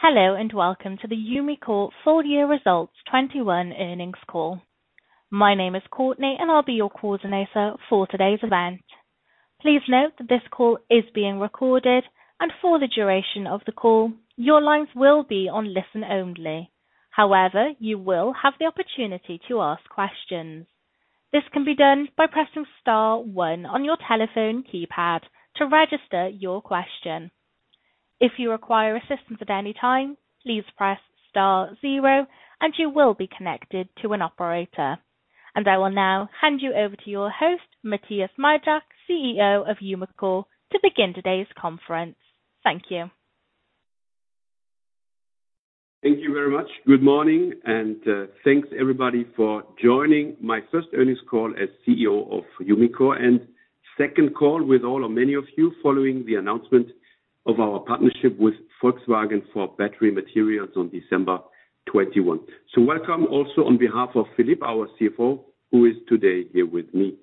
Hello, and welcome to the Umicore full-year results 2021 earnings call. My name is Courtney, and I'll be your coordinator for today's event. Please note that this call is being recorded, and for the duration of the call, your lines will be on listen-only. However, you will have the opportunity to ask questions. This can be done by pressing star one on your telephone keypad to register your question. If you require assistance at any time, please press star zero and you will be connected to an operator. I will now hand you over to your host, Mathias Miedreich, CEO of Umicore, to begin today's conference. Thank you. Thank you very much. Good morning, and thanks, everybody, for joining my first earnings call as CEO of Umicore, and second call with all or many of you following the announcement of our partnership with Volkswagen for battery materials on December 21. Welcome also on behalf of Filip, our CFO, who is today here with me.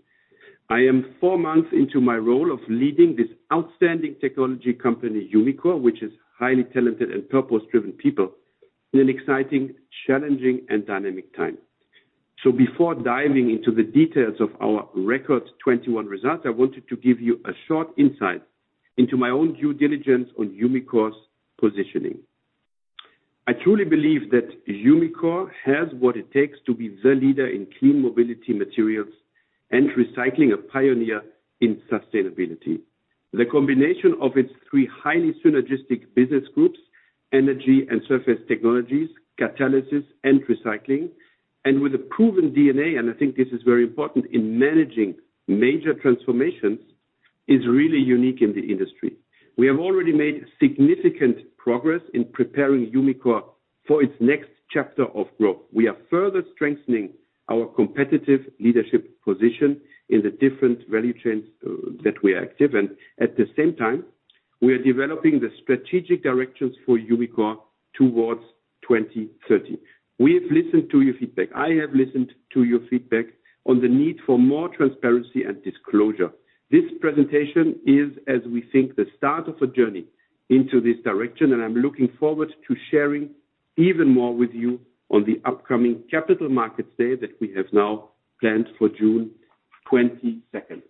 I am four months into my role of leading this outstanding technology company, Umicore, which has highly talented and purpose-driven people in an exciting, challenging and dynamic time. Before diving into the details of our record 2021 results, I wanted to give you a short insight into my own due diligence on Umicore's positioning. I truly believe that Umicore has what it takes to be the leader in clean mobility materials and recycling, a pioneer in sustainability. The combination of its three highly synergistic business groups, Energy & Surface Technologies, Catalysis and Recycling, and with a proven DNA, and I think this is very important in managing major transformations, is really unique in the industry. We have already made significant progress in preparing Umicore for its next chapter of growth. We are further strengthening our competitive leadership position in the different value chains that we're active in. At the same time, we are developing the strategic directions for Umicore towards 2030. We have listened to your feedback. I have listened to your feedback on the need for more transparency and disclosure. This presentation is, as we think, the start of a journey into this direction, and I'm looking forward to sharing even more with you on the upcoming Capital Markets Day that we have now planned for June 22nd.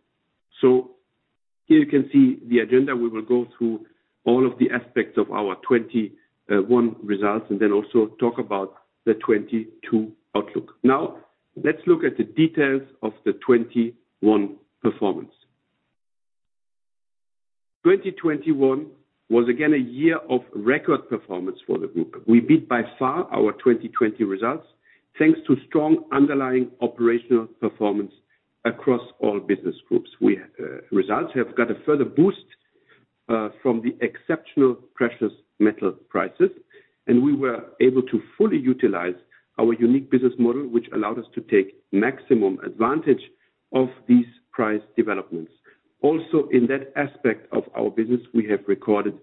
Here you can see the agenda. We will go through all of the aspects of our 2021 results and then also talk about the 2022 outlook. Now, let's look at the details of the 2021 performance. 2021 was again a year of record performance for the group. We beat by far our 2020 results, thanks to strong underlying operational performance across all business groups. Results have got a further boost from the exceptional precious metal prices, and we were able to fully utilize our unique business model, which allowed us to take maximum advantage of these price developments. Also, in that aspect of our business, we have recorded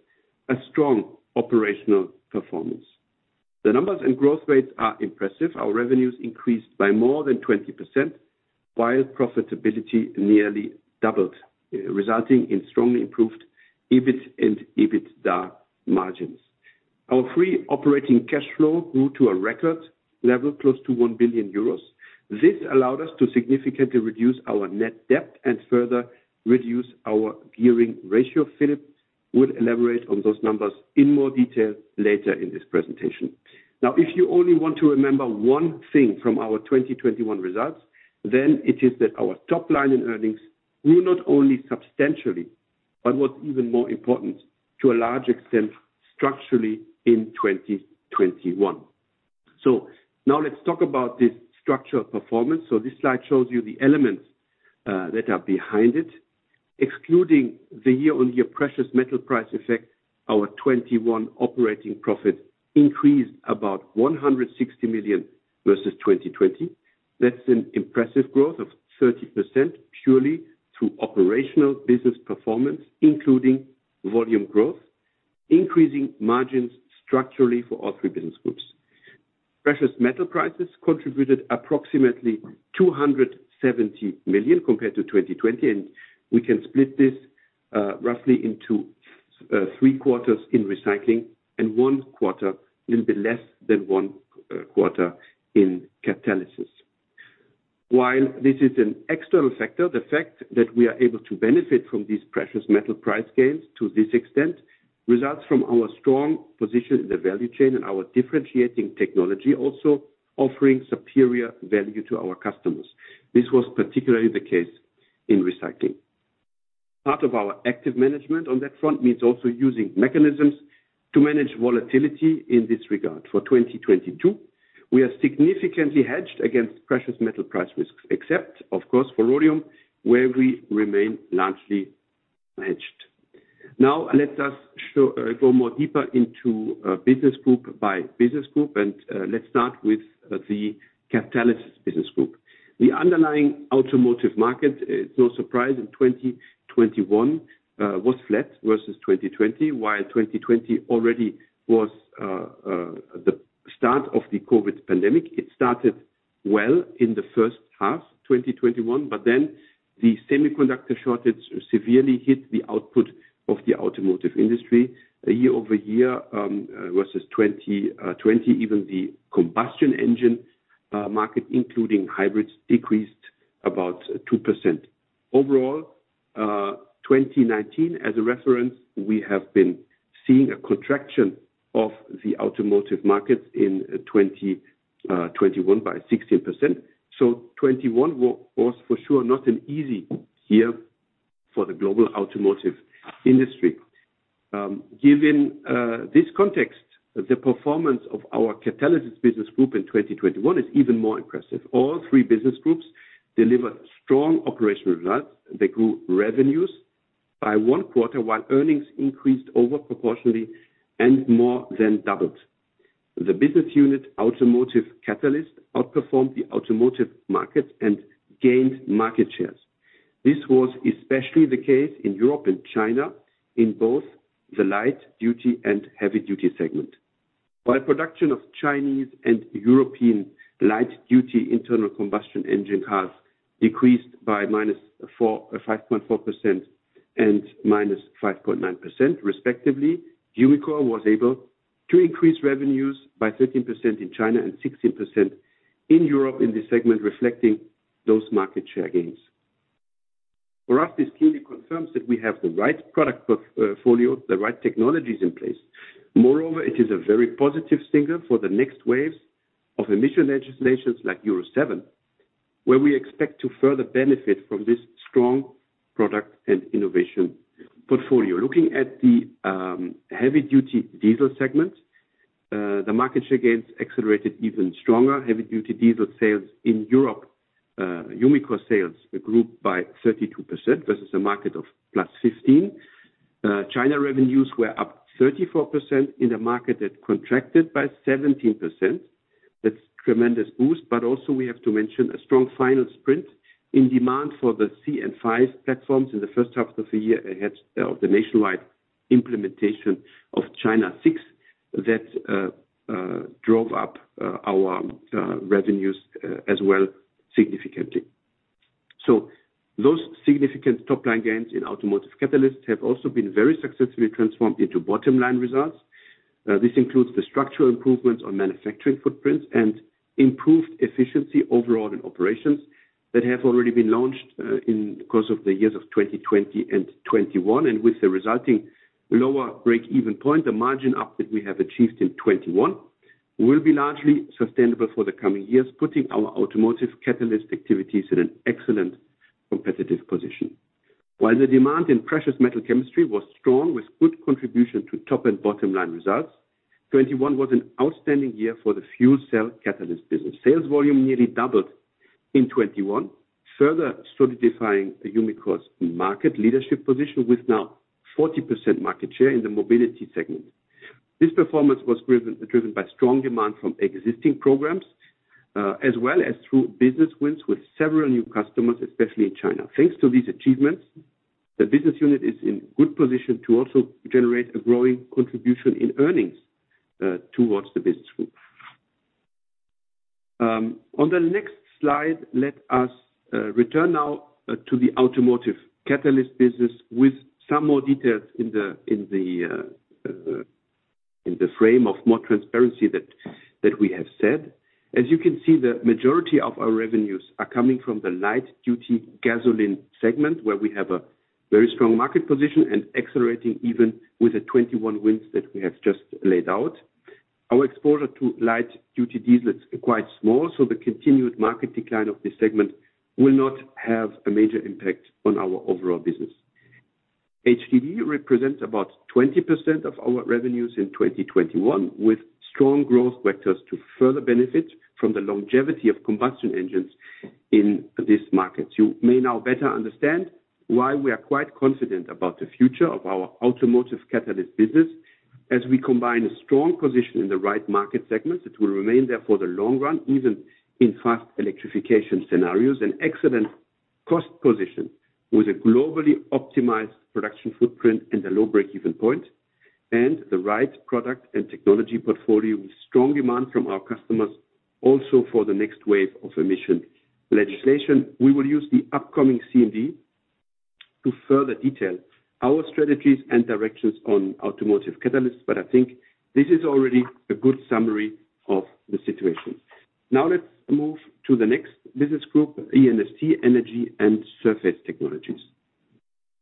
a strong operational performance. The numbers and growth rates are impressive. Our revenues increased by more than 20%, while profitability nearly doubled, resulting in strongly improved EBIT and EBITDA margins. Our free operating cash flow grew to a record level, close to 1 billion euros. This allowed us to significantly reduce our net debt and further reduce our gearing ratio. Filip would elaborate on those numbers in more detail later in this presentation. Now, if you only want to remember one thing from our 2021 results, then it is that our top line and earnings grew not only substantially, but what's even more important, to a large extent, structurally in 2021. Now let's talk about this structural performance. This slide shows you the elements that are behind it. Excluding the year-on-year precious metal price effect, our 2021 operating profit increased about 160 million versus 2020. That's an impressive growth of 30% purely through operational business performance, including volume growth, increasing margins structurally for all three business groups. Precious metal prices contributed approximately 270 million compared to 2020, and we can split this roughly into three quarters in Recycling and one quarter, a little bit less than one quarter, in Catalysis. While this is an external factor, the fact that we are able to benefit from these precious metal price gains to this extent results from our strong position in the value chain and our differentiating technology also offering superior value to our customers. This was particularly the case in Recycling. Part of our active management on that front means also using mechanisms to manage volatility in this regard. For 2022, we are significantly hedged against precious metal price risks, except of course for rhodium, where we remain largely hedged. Now let us go more deeper into business group by business group, and let's start with the Catalysis business group. The underlying automotive market, it's no surprise in 2021 was flat versus 2020. While 2020 already was the start of the COVID pandemic, in the first half, 2021, but then the semiconductor shortage severely hit the output of the automotive industry. Year-over-year, versus 2020, even the combustion engine market, including hybrids, decreased about 2%. Overall, 2019 as a reference, we have been seeing a contraction of the automotive markets in 2021 by 16%. 2021 for sure not an easy year for the global automotive industry. Given this context, the performance of our Catalysis Business Group in 2021 is even more impressive. All three business groups delivered strong operational results. They grew revenues by 25%, while earnings increased over proportionally and more than doubled. The business unit Automotive Catalysts outperformed the automotive market and gained market shares. This was especially the case in Europe and China in both the light duty and heavy duty segment. While production of Chinese and European light-duty internal combustion engine cars decreased by -5.4% and -5.9% respectively, Umicore was able to increase revenues by 13% in China and 16% in Europe in this segment, reflecting those market share gains. For us, this clearly confirms that we have the right product portfolio, the right technologies in place. Moreover, it is a very positive signal for the next waves of emission legislations like Euro 7, where we expect to further benefit from this strong product and innovation portfolio. Looking at the heavy duty diesel segment, the market share gains accelerated even stronger. Heavy Duty Diesel sales in Europe, Umicore sales grew by 32% versus a market of +15%. China revenues were up 34% in a market that contracted by 17%. That's tremendous boost, but also we have to mention a strong final sprint in demand for the China 5 platforms in the first half of the year ahead of the nationwide implementation of China 6 that drove up our revenues as well significantly. Those significant top line gains in automotive catalysts have also been very successfully transformed into bottom line results. This includes the structural improvements on manufacturing footprints and improved efficiency overall in operations that have already been launched in the course of the years of 2020 and 2021. With the resulting lower break-even point, the margin uplift we have achieved in 2021 will be largely sustainable for the coming years, putting our Automotive Catalysts activities in an excellent competitive position. While the demand in Precious Metals Chemistry was strong with good contribution to top and bottom line results, 2021 was an outstanding year for the Fuel Cell Catalysts business. Sales volume nearly doubled in 2021, further solidifying Umicore's market leadership position with now 40% market share in the mobility segment. This performance was driven by strong demand from existing programs as well as through business wins with several new customers, especially in China. Thanks to these achievements, the business unit is in good position to also generate a growing contribution in earnings towards the business group. On the next slide, let us return now to the Automotive Catalysts business with some more details in the frame of more transparency that we have said. As you can see, the majority of our revenues are coming from the Light-Duty Gasoline segment, where we have a very strong market position and accelerating even with the 21 wins that we have just laid out. Our exposure to Light-Duty Diesel is quite small, so the continued market decline of this segment will not have a major impact on our overall business. HDD represents about 20% of our revenues in 2021, with strong growth vectors to further benefit from the longevity of combustion engines in these markets. You may now better understand why we are quite confident about the future of our automotive catalyst business as we combine a strong position in the right market segments that will remain there for the long run, even in fast electrification scenarios, and excellent cost position with a globally optimized production footprint and a low break-even point, and the right product and technology portfolio with strong demand from our customers also for the next wave of emission legislation. We will use the upcoming CMD to further detail our strategies and directions on automotive catalysts, but I think this is already a good summary of the situation. Now let's move to the next business group, E&ST, Energy & Surface Technologies.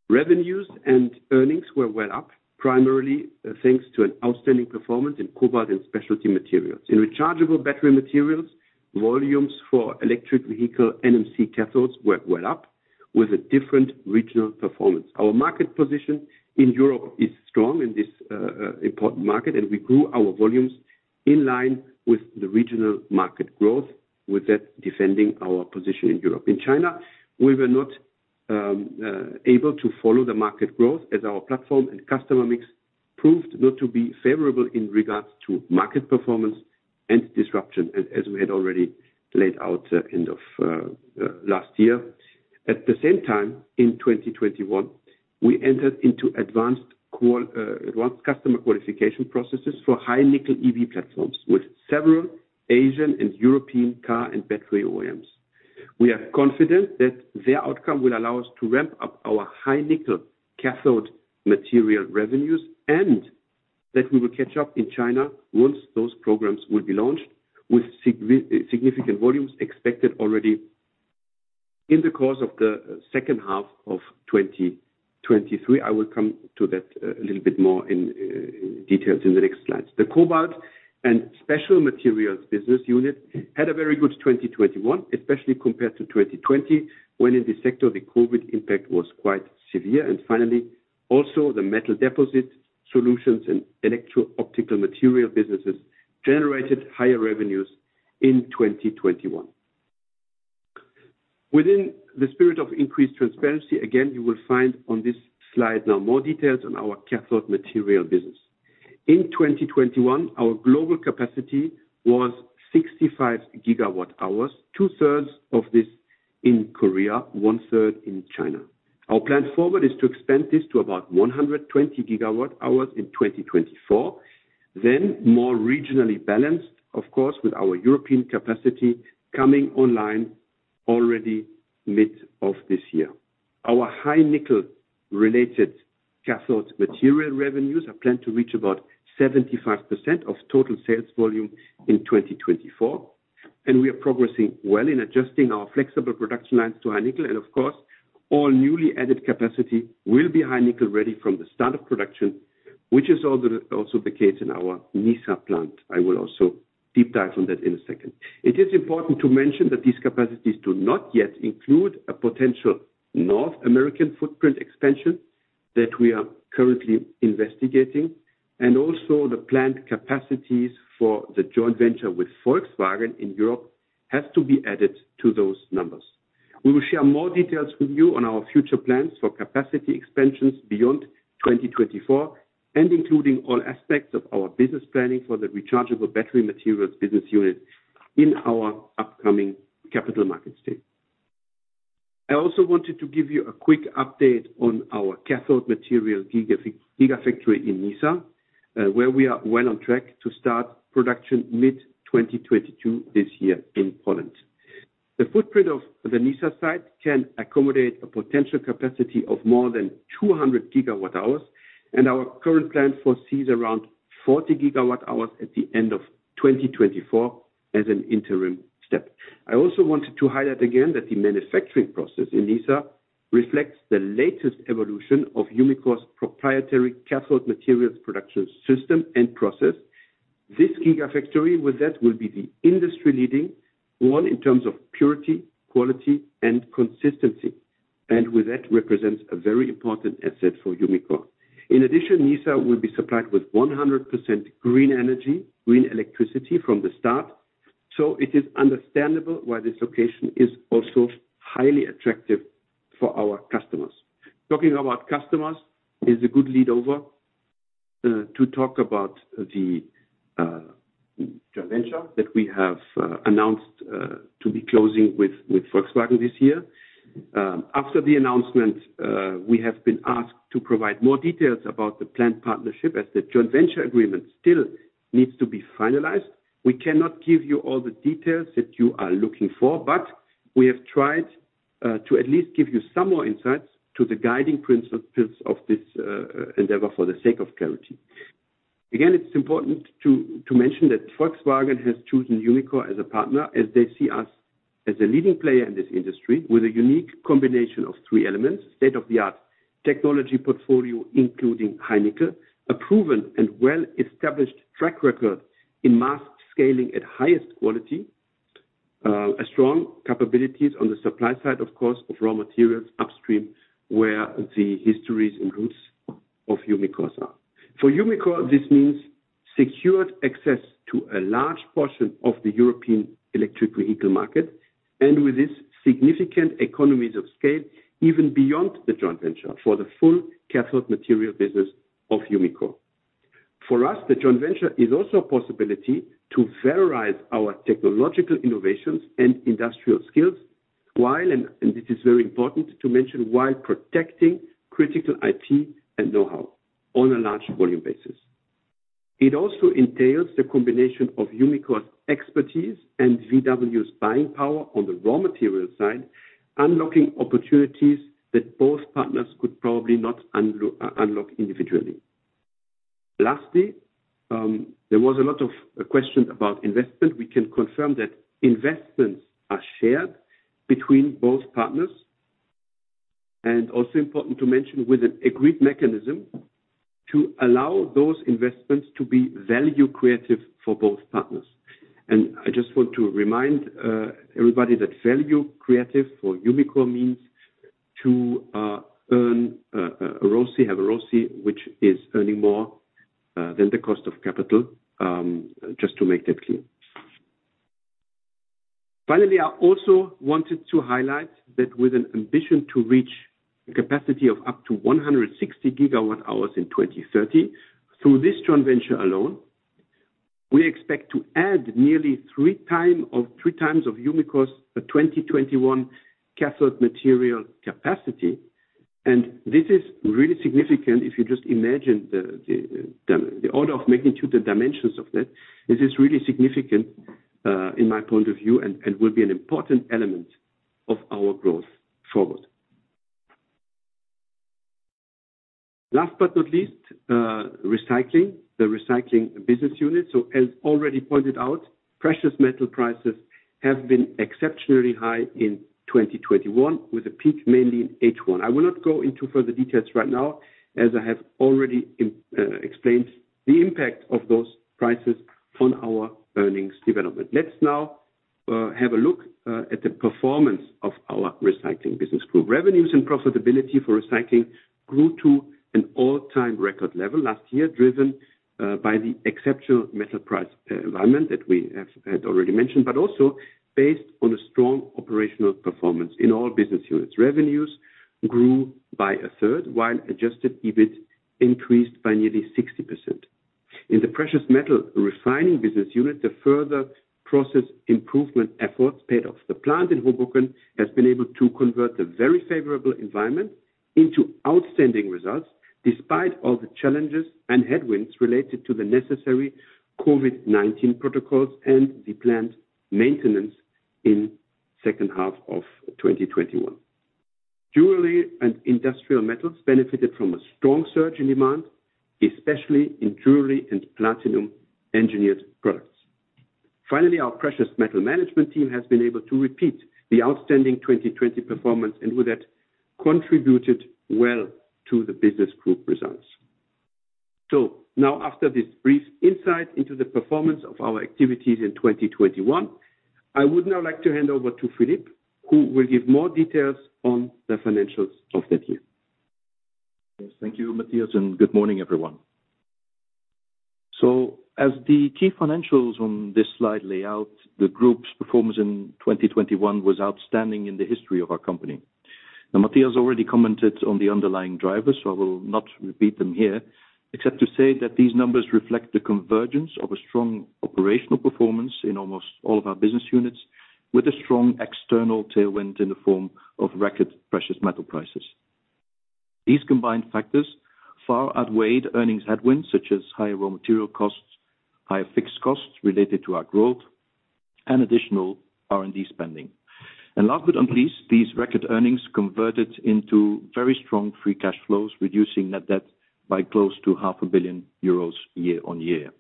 Revenues and earnings were well up, primarily thanks to an outstanding performance in Cobalt and Specialty Materials. In Rechargeable Battery Materials, volumes for electric vehicle NMC cathodes were well up with a different regional performance. Our market position in Europe is strong in this important market, and we grew our volumes in line with the regional market growth, with that defending our position in Europe. In China, we were not able to follow the market growth as our platform and customer mix proved not to be favorable in regards to market performance and disruption as we had already laid out end of last year. At the same time, in 2021, we entered into advanced customer qualification processes for high nickel EV platforms with several Asian and European car and battery OEMs. We are confident that their outcome will allow us to ramp up our high nickel cathode material revenues, and that we will catch up in China once those programs will be launched with significant volumes expected already in the course of the second half of 2023. I will come to that a little bit more in details in the next slides. The cobalt and specialty materials business unit had a very good 2021, especially compared to 2020, when in this sector the COVID impact was quite severe. Finally, also the Metal Deposition Solutions and Electro-Optic Materials businesses generated higher revenues in 2021. Within the spirit of increased transparency, again, you will find on this slide now more details on our cathode material business. In 2021, our global capacity was 65 GWh, 2/3 of this in Korea, 1/3 in China. Our plan forward is to expand this to about 120 GWh in 2024. More regionally balanced, of course, with our European capacity coming online already mid of this year. Our high nickel related cathode material revenues are planned to reach about 75% of total sales volume in 2024, and we are progressing well in adjusting our flexible production lines to high nickel. Of course, all newly added capacity will be high nickel ready from the start of production, which is also the case in our Nysa plant. I will also deep dive on that in a second. It is important to mention that these capacities do not yet include a potential North American footprint expansion that we are currently investigating. Also the planned capacities for the joint venture with Volkswagen in Europe has to be added to those numbers. We will share more details with you on our future plans for capacity expansions beyond 2024, including all aspects of our business planning for the Rechargeable Battery Materials business unit in our upcoming Capital Markets Day. I wanted to give you a quick update on our cathode material gigafactory in Nysa, where we are well on track to start production mid-2022 this year in Poland. The footprint of the Nysa site can accommodate a potential capacity of more than 200 GWh, and our current plan foresees around 40 GWh at the end of 2024 as an interim step. I also wanted to highlight again that the manufacturing process in Nysa reflects the latest evolution of Umicore's proprietary cathode materials production system and process. This gigafactory with that will be the industry-leading one in terms of purity, quality and consistency, and with that represents a very important asset for Umicore. In addition, Nysa will be supplied with 100% green energy, green electricity from the start. It is understandable why this location is also highly attractive for our customers. Talking about customers is a good lead-in to talk about the joint venture that we have announced to be closing with Volkswagen this year. After the announcement, we have been asked to provide more details about the planned partnership. As the joint venture agreement still needs to be finalized, we cannot give you all the details that you are looking for, but we have tried to at least give you some more insights to the guiding principles of this endeavor for the sake of clarity. Again, it's important to mention that Volkswagen has chosen Umicore as a partner, as they see us as a leading player in this industry with a unique combination of three elements. State-of-the-art technology portfolio, including high nickel, a proven and well-established track record in mass scaling at highest quality, a strong capabilities on the supply side, of course, of raw materials upstream, where the histories and roots of Umicore are. For Umicore, this means secured access to a large portion of the European electric vehicle market, and with this, significant economies of scale, even beyond the joint venture for the full cathode material business of Umicore. For us, the joint venture is also a possibility to valorize our technological innovations and industrial skills, while, and this is very important to mention, while protecting critical IP and know-how on a large volume basis. It also entails the combination of Umicore's expertise and VW's buying power on the raw material side, unlocking opportunities that both partners could probably not unlock individually. Lastly, there was a lot of questions about investment. We can confirm that investments are shared between both partners and also important to mention, with an agreed mechanism to allow those investments to be value creative for both partners. I just want to remind everybody that value creation for Umicore means to earn a ROCE, have a ROCE which is earning more than the cost of capital, just to make that clear. Finally, I also wanted to highlight that with an ambition to reach a capacity of up to 160 GWh in 2030 through this joint venture alone. We expect to add nearly 3x Umicore's 2021 cathode material capacity. This is really significant if you just imagine the order of magnitude, the dimensions of that. This is really significant in my point of view, and will be an important element of our growth forward. Last but not least, Recycling. The Recycling business unit. As already pointed out, precious metal prices have been exceptionally high in 2021, with a peak mainly in H1. I will not go into further details right now, as I have already explained the impact of those prices on our earnings development. Let's now have a look at the performance of our Recycling business group. Revenues and profitability for Recycling grew to an all-time record level last year, driven by the exceptional metal price environment that we have already mentioned. Also based on a strong operational performance in all business units. Revenues grew by a third, while adjusted EBIT increased by nearly 60%. In the Precious Metals Refining business unit, the further process improvement efforts paid off. The plant in Hoboken has been able to convert the very favorable environment into outstanding results, despite all the challenges and headwinds related to the necessary COVID-19 protocols and the plant maintenance in second half of 2021. Jewelry and Industrial Metals benefited from a strong surge in demand, especially in jewelry and platinum engineered products. Finally, our Precious Metals Management team has been able to repeat the outstanding 2020 performance and with that contributed well to the business group results. Now after this brief insight into the performance of our activities in 2021, I would now like to hand over to Filip, who will give more details on the financials of that year. Yes, thank you, Mathias, and good morning, everyone. As the key financials on this slide lay out, the group's performance in 2021 was outstanding in the history of our company. Now, Mathias already commented on the underlying drivers, so I will not repeat them here, except to say that these numbers reflect the convergence of a strong operational performance in almost all of our business units, with a strong external tailwind in the form of record precious metal prices. These combined factors far outweighed earnings headwinds such as higher raw material costs, higher fixed costs related to our growth, and additional R&D spending. Last but not least, these record earnings converted into very strong free cash flows, reducing net debt by close to half 1 billion euros year-over-year.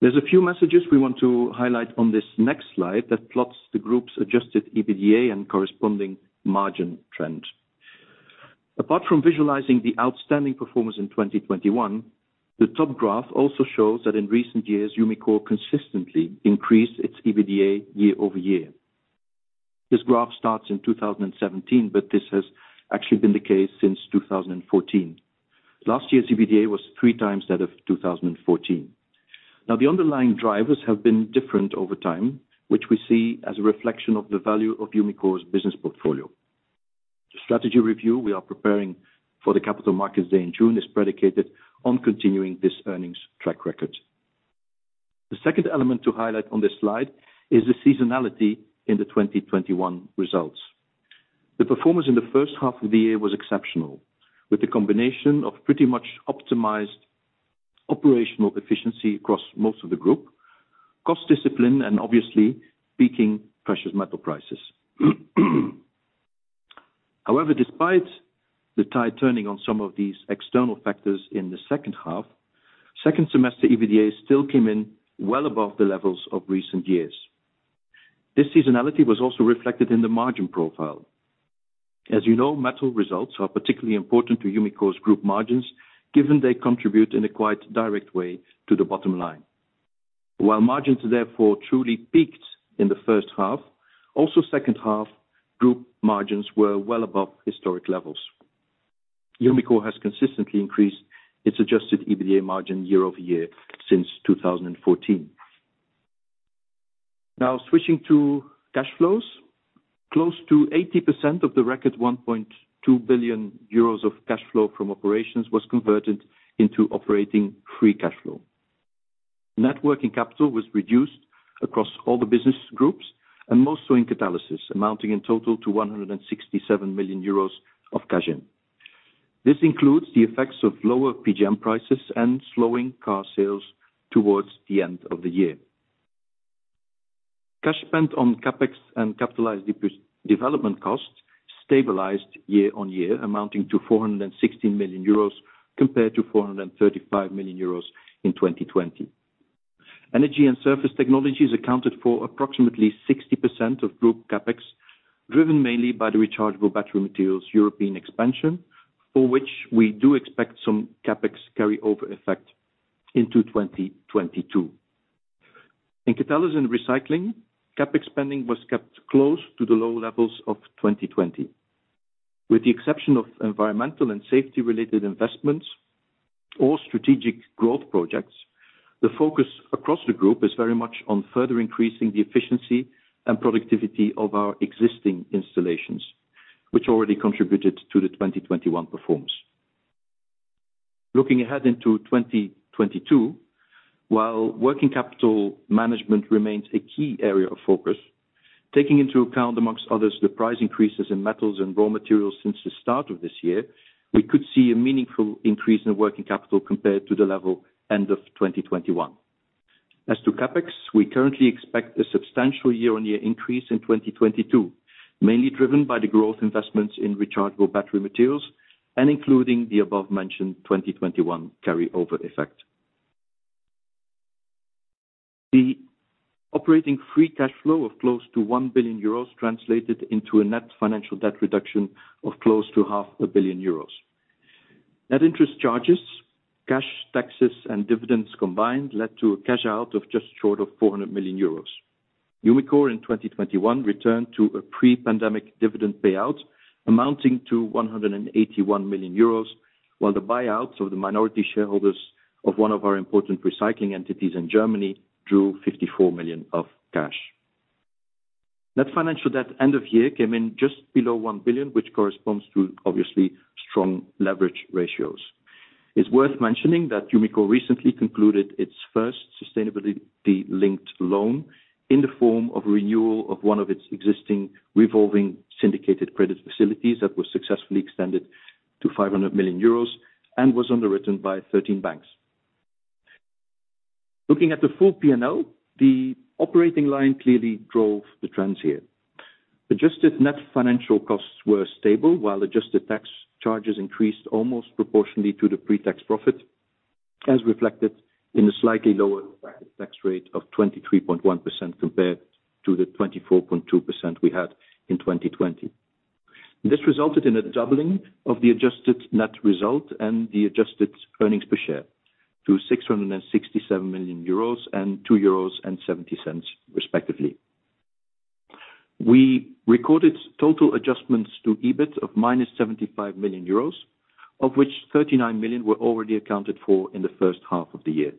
There's a few messages we want to highlight on this next slide that plots the group's adjusted EBITDA and corresponding margin trend. Apart from visualizing the outstanding performance in 2021, the top graph also shows that in recent years, Umicore consistently increased its EBITDA year-over-year. This graph starts in 2017, but this has actually been the case since 2014. Last year's EBITDA was 3x that of 2014. Now, the underlying drivers have been different over time, which we see as a reflection of the value of Umicore's business portfolio. The strategy review we are preparing for the capital markets day in June is predicated on continuing this earnings track record. The second element to highlight on this slide is the seasonality in the 2021 results. The performance in the first half of the year was exceptional, with the combination of pretty much optimized operational efficiency across most of the group, cost discipline, and obviously, peaking precious metal prices. However, despite the tide turning on some of these external factors in the second half, second semester EBITDA still came in well above the levels of recent years. This seasonality was also reflected in the margin profile. As you know, metal results are particularly important to Umicore's group margins, given they contribute in a quite direct way to the bottom line. While margins therefore truly peaked in the first half, also second half group margins were well above historic levels. Umicore has consistently increased its adjusted EBITDA margin year-over-year since 2014. Now switching to cash flows. Close to 80% of the record 1.2 billion euros of cash flow from operations was converted into operating free cash flow. Net working capital was reduced across all the business groups and mostly in Catalysis, amounting in total to 167 million euros of cash in. This includes the effects of lower PGM prices and slowing car sales towards the end of the year. Cash spent on CapEx and capitalized development costs stabilized year-on-year, amounting to 416 million euros compared to 435 million euros in 2020. Energy & Surface Technologies accounted for approximately 60% of group CapEx, driven mainly by the Rechargeable Battery Materials European expansion, for which we do expect some CapEx carryover effect into 2022. In Catalysis and Recycling, CapEx spending was kept close to the low levels of 2020. With the exception of environmental and safety-related investments or strategic growth projects, the focus across the group is very much on further increasing the efficiency and productivity of our existing installations, which already contributed to the 2021 performance. Looking ahead into 2022, while working capital management remains a key area of focus, taking into account, among others, the price increases in metals and raw materials since the start of this year, we could see a meaningful increase in working capital compared to the level at the end of 2021. As to CapEx, we currently expect a substantial year-on-year increase in 2022, mainly driven by the growth investments in Rechargeable Battery Materials and including the above-mentioned 2021 carryover effect. The operating free cash flow of close to 1 billion euros translated into a net financial debt reduction of close to half 0.5 billion euros. Net interest charges, cash taxes, and dividends combined led to a cash out of just short of 400 million euros. Umicore in 2021 returned to a pre-pandemic dividend payout amounting to 181 million euros, while the buyouts of the minority shareholders of one of our important recycling entities in Germany drew 54 million of cash. Net financial debt end of year came in just below 1 billion, which corresponds to obviously strong leverage ratios. It's worth mentioning that Umicore recently concluded its first sustainability-linked loan in the form of renewal of one of its existing revolving syndicated credit facilities that were successfully extended to 500 million euros and was underwritten by 13 banks. Looking at the full P&L, the operating line clearly drove the trends here. Adjusted net financial costs were stable, while adjusted tax charges increased almost proportionally to the pre-tax profit, as reflected in a slightly lower tax rate of 23.1% compared to the 24.2% we had in 2020. This resulted in a doubling of the adjusted net result and the adjusted earnings per share to 667 million euros and 2.70 euros, respectively. We recorded total adjustments to EBIT of -75 million euros, of which 39 million were already accounted for in the first half of the year.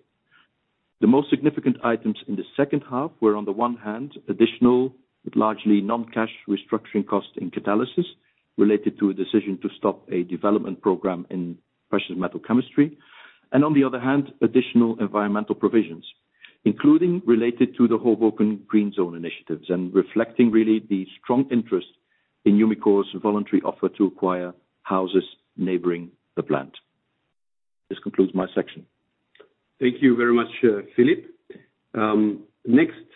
The most significant items in the second half were, on the one hand, additional but largely non-cash restructuring costs in Catalysis related to a decision to stop a development program in Precious Metals Chemistry and on the other hand, additional environmental provisions, including related to the Hoboken Green Zone initiatives and reflecting really the strong interest in Umicore's voluntary offer to acquire houses neighboring the plant. This concludes my section. Thank you very much, Filip. Next,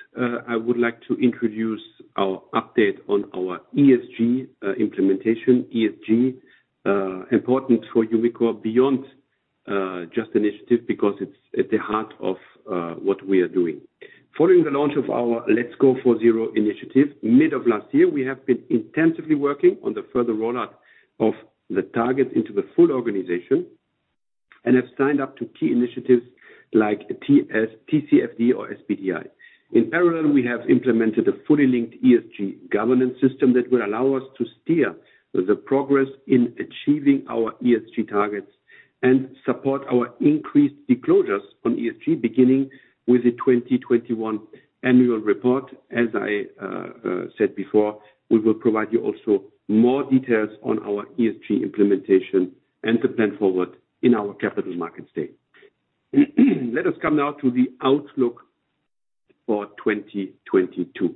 I would like to introduce our update on our ESG implementation. ESG important for Umicore beyond just initiative because it's at the heart of what we are doing. Following the launch of our Let's Go for Zero initiative mid of last year, we have been intensively working on the further rollout of the targets into the full organization and have signed up to key initiatives like TCFD or SBTI. In parallel, we have implemented a fully linked ESG governance system that will allow us to steer the progress in achieving our ESG targets and support our increased disclosures on ESG, beginning with the 2021 annual report. As I said before, we will provide you also more details on our ESG implementation and the plan forward in our Capital Markets Day. Let us come now to the outlook for 2022.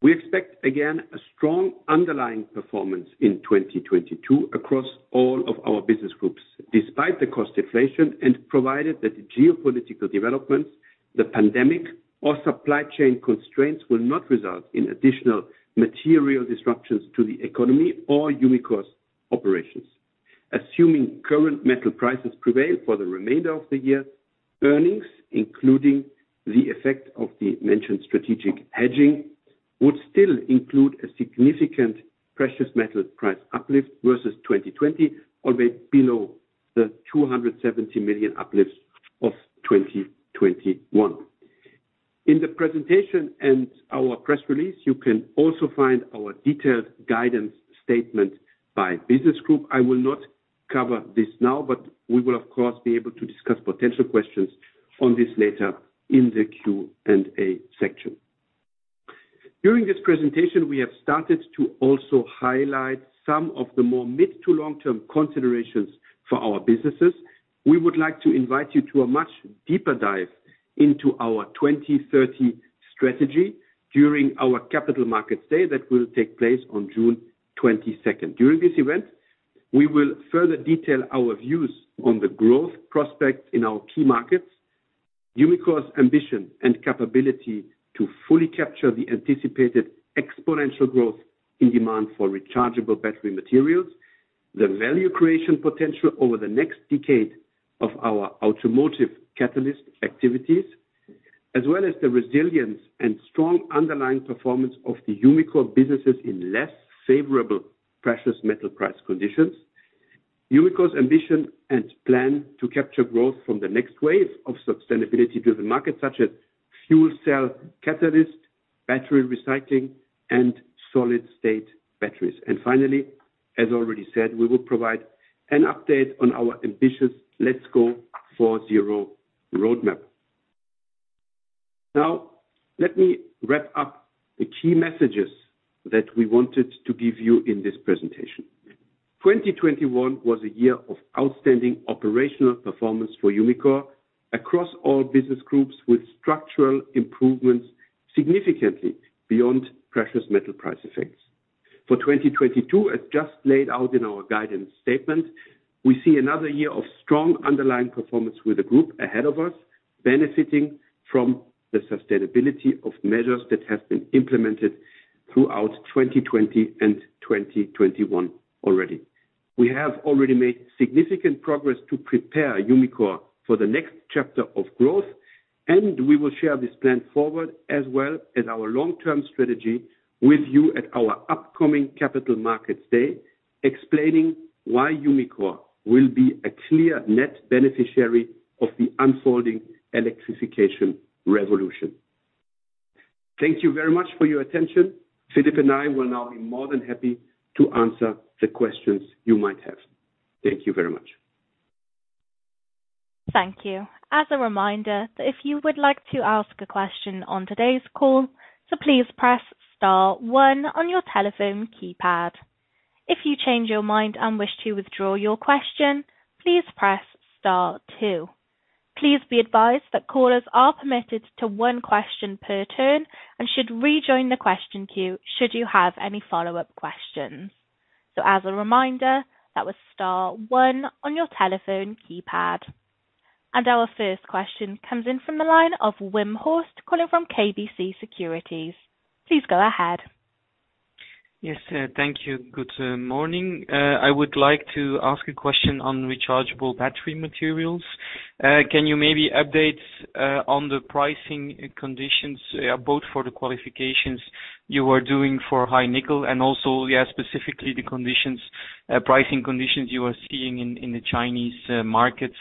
We expect, again, a strong underlying performance in 2022 across all of our business groups, despite the cost inflation and provided that the geopolitical developments, the pandemic, or supply chain constraints will not result in additional material disruptions to the economy or Umicore's operations. Assuming current metal prices prevail for the remainder of the year, earnings, including the effect of the mentioned strategic hedging, would still include a significant precious metal price uplift versus 2020, albeit below the 270 million uplifts of 2021. In the presentation and our press release, you can also find our detailed guidance statement by business group. I will not cover this now, but we will of course be able to discuss potential questions on this later in the Q&A section. During this presentation, we have started to also highlight some of the more mid to long-term considerations for our businesses. We would like to invite you to a much deeper dive into our 2030 strategy during our capital markets day that will take place on June 22nd. During this event, we will further detail our views on the growth prospects in our key markets, Umicore's ambition and capability to fully capture the anticipated exponential growth in demand for rechargeable battery materials, the value creation potential over the next decade of our automotive catalyst activities, as well as the resilience and strong underlying performance of the Umicore businesses in less favorable precious metal price conditions. Umicore's ambition and plan to capture growth from the next wave of sustainability to the market, such as fuel cell catalyst, battery recycling, and solid state batteries. Finally, as already said, we will provide an update on our ambitious Let's Go for Zero roadmap. Now let me wrap up the key messages that we wanted to give you in this presentation. 2021 was a year of outstanding operational performance for Umicore across all business groups with structural improvements significantly beyond precious metal price effects. For 2022, as just laid out in our guidance statement, we see another year of strong underlying performance with the group ahead of us, benefiting from the sustainability of measures that have been implemented throughout 2020 and 2021 already. We have already made significant progress to prepare Umicore for the next chapter of growth, and we will share this plan forward, as well as our long-term strategy with you at our upcoming capital markets day, explaining why Umicore will be a clear net beneficiary of the unfolding electrification revolution. Thank you very much for your attention. Filip and I will now be more than happy to answer the questions you might have. Thank you very much. Thank you. As a reminder, that if you would like to ask a question on today's call, to please press star one on your telephone keypad. If you change your mind and wish to withdraw your question, please press star two. Please be advised that callers are permitted to one question per turn and should rejoin the question queue should you have any follow-up questions. As a reminder, that was star one on your telephone keypad. Our first question comes in from the line of Wim Hoste calling from KBC Securities. Please go ahead. Yes, thank you. Good morning. I would like to ask a question on Rechargeable Battery Materials. Can you maybe update on the pricing conditions both for the qualifications you are doing for high nickel and also, yeah, specifically the pricing conditions you are seeing in the Chinese markets,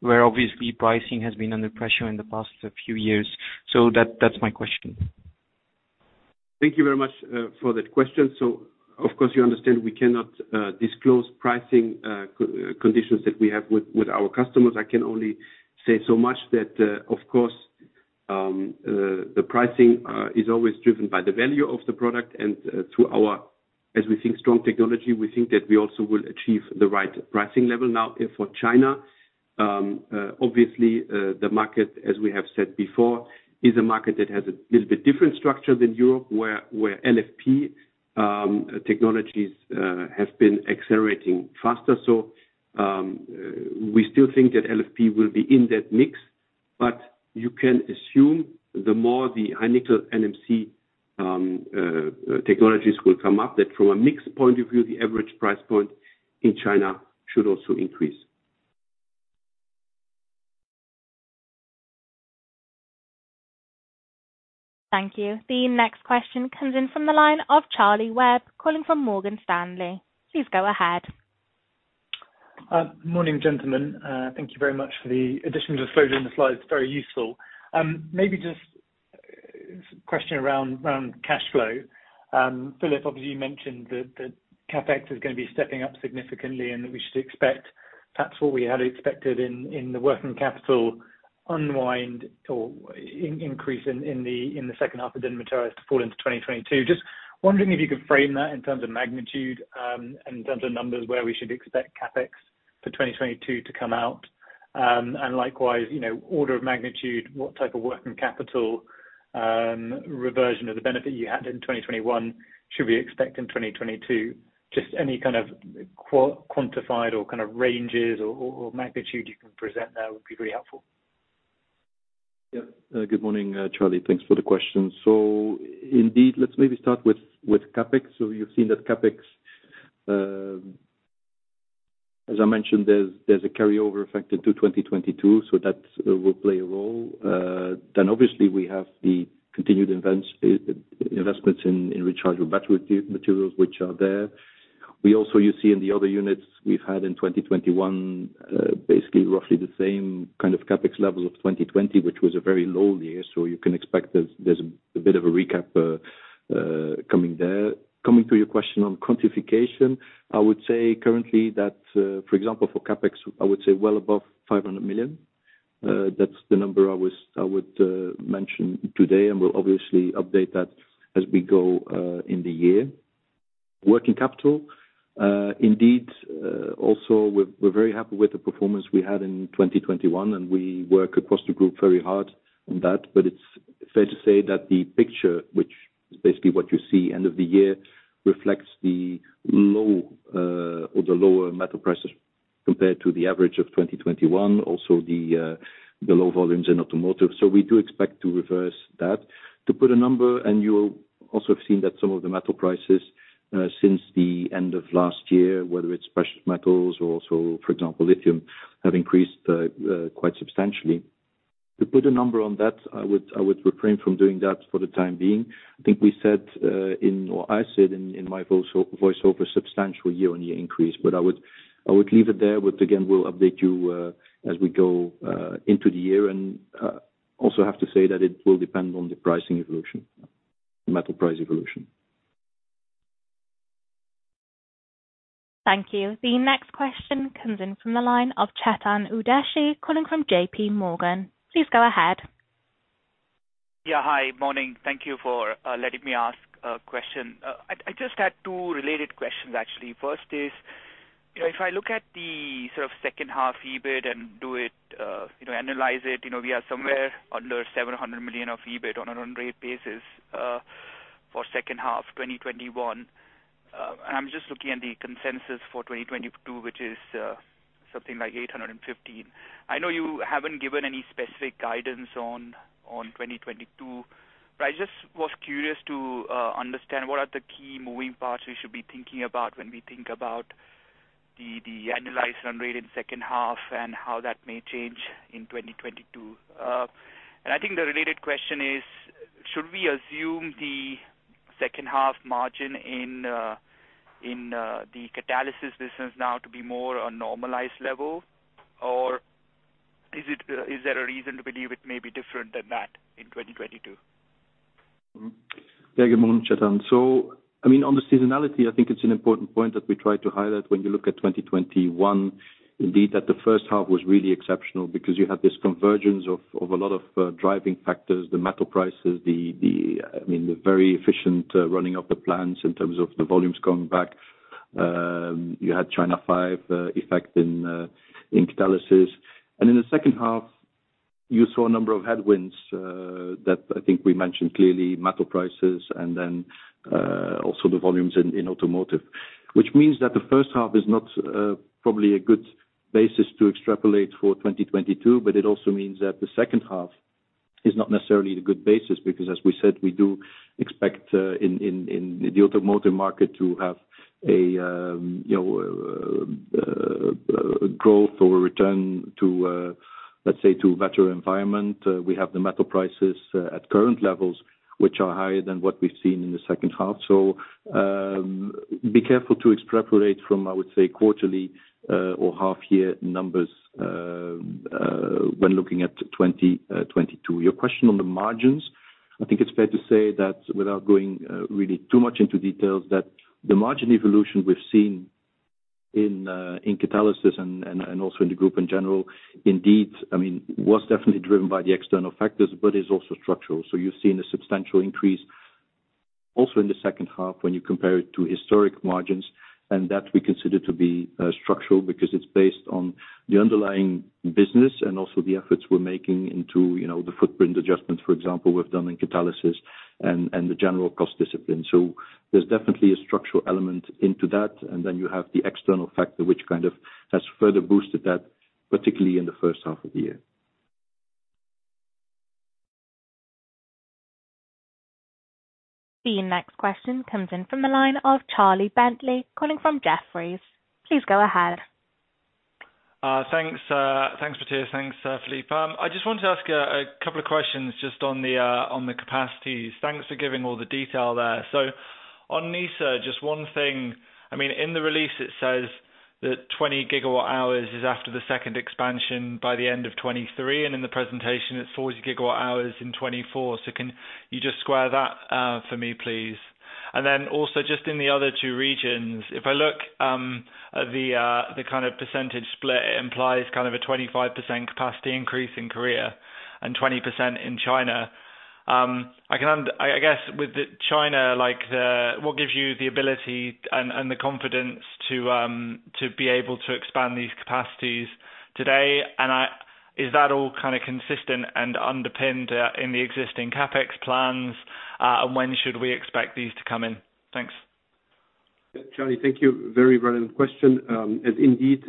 where obviously pricing has been under pressure in the past few years. That's my question? Thank you very much for that question. Of course, you understand we cannot disclose pricing conditions that we have with our customers. I can only say so much that of course the pricing is always driven by the value of the product and through our, as we think, strong technology, we think that we also will achieve the right pricing level now for China. Obviously the market, as we have said before, is a market that has a little bit different structure than Europe, where LFP technologies have been accelerating faster. We still think that LFP will be in that mix, but you can assume the more the high nickel NMC technologies will come up, that from a mix point of view, the average price point in China should also increase. Thank you. The next question comes in from the line of Charlie Webb, calling from Morgan Stanley. Please go ahead. Morning, gentlemen. Thank you very much for the additions of folding the slides. Very useful. Maybe just a question around cash flow. Filip, obviously you mentioned that CapEx is gonna be stepping up significantly and that we should expect perhaps what we had expected in the working capital unwind or increase in the second half of 2021 materialized to fall into 2022. Just wondering if you could frame that in terms of magnitude in terms of numbers, where we should expect CapEx for 2022 to come out. And likewise, you know, order of magnitude, what type of working capital reversion of the benefit you had in 2021 should we expect in 2022? Just any kind of quantified or kind of ranges or magnitude you can present there would be very helpful. Yeah. Good morning, Charlie. Thanks for the question. Indeed, let's maybe start with CapEx. You've seen that CapEx, as I mentioned, there's a carryover effect into 2022, so that will play a role. Then obviously we have the continued investments in Rechargeable Battery Materials, which are there. You see in the other units we've had in 2021, basically roughly the same kind of CapEx level of 2020, which was a very low year. You can expect there's a bit of a ramp-up coming there. Coming to your question on quantification, I would say currently that, for example, for CapEx, I would say well above 500 million. That's the number I would mention today, and we'll obviously update that as we go in the year. Working capital, indeed, also, we're very happy with the performance we had in 2021 and we work across the group very hard on that. It's fair to say that the picture, which is basically what you see end of the year, reflects the low, or the lower metal prices compared to the average of 2021. Also the low volumes in automotive. We do expect to reverse that. To put a number, and you'll also have seen that some of the metal prices since the end of last year, whether it's precious metals or also, for example, lithium, have increased quite substantially. To put a number on that, I would refrain from doing that for the time being. I think we said in, or I said in my voiceover, substantial year-on-year increase. I would leave it there. We'll update you as we go into the year. Also have to say that it will depend on the pricing evolution, metal price evolution. Thank you. The next question comes in from the line of Chetan Udeshi calling from JPMorgan. Please go ahead. Yeah. Hi. Morning. Thank you for letting me ask a question. I just had two related questions, actually. First is, if I look at the sort of second half EBIT and do it, you know, analyze it, you know, we are somewhere under 700 million of EBIT on a run rate basis, for second half 2021. I'm just looking at the consensus for 2022, which is something like 815 million. I know you haven't given any specific guidance on 2022, but I just was curious to understand what are the key moving parts we should be thinking about when we think about the analyzed run rate in the second half and how that may change in 2022. I think the related question is: Should we assume the second half margin in the Catalysis business now to be more a normalized level, or is there a reason to believe it may be different than that in 2022? Yeah. Good morning, Chetan. I mean, on the seasonality, I think it's an important point that we try to highlight when you look at 2021, indeed, that the first half was really exceptional because you had this convergence of a lot of driving factors, the metal prices, I mean, the very efficient running of the plants in terms of the volumes going back. You had China 5 effect in catalysis. In the second half you saw a number of headwinds that I think we mentioned clearly, metal prices and then also the volumes in automotive. Which means that the first half is not probably a good basis to extrapolate for 2022, but it also means that the second half is not necessarily a good basis. Because as we said, we do expect in the automotive market to have a you know growth or return to let's say to better environment. We have the metal prices at current levels, which are higher than what we've seen in the second half. Be careful to extrapolate from, I would say, quarterly or half-year numbers when looking at 2022. Your question on the margins, I think it's fair to say that without going really too much into details, that the margin evolution we've seen in Catalysis and also in the group in general, indeed, I mean, was definitely driven by the external factors, but is also structural. You've seen a substantial increase also in the second half when you compare it to historic margins, and that we consider to be structural because it's based on the underlying business and also the efforts we're making into, you know, the footprint adjustments, for example, we've done in Catalysis and the general cost discipline. There's definitely a structural element into that. Then you have the external factor, which kind of has further boosted that, particularly in the first half of the year. The next question comes in from the line of Charles Bentley calling from Jefferies. Please go ahead. Thanks. Thanks, Mathias. Thanks, Filip. I just wanted to ask a couple of questions just on the capacities. Thanks for giving all the detail there. On Nysa, just one thing, I mean, in the release it says that 20 GWh is after the second expansion by the end of 2023, and in the presentation it's 40 GWh in 2024. Can you just square that for me, please? Then also just in the other two regions, if I look at the kind of percentage split, it implies kind of a 25% capacity increase in Korea and 20% in China. I guess with the China, like the. What gives you the ability and the confidence to be able to expand these capacities, Is that all kind of consistent and underpinned in the existing CapEx plans? When should we expect these to come in? Thanks. Yeah. Charlie, thank you. Very relevant question. As indeed,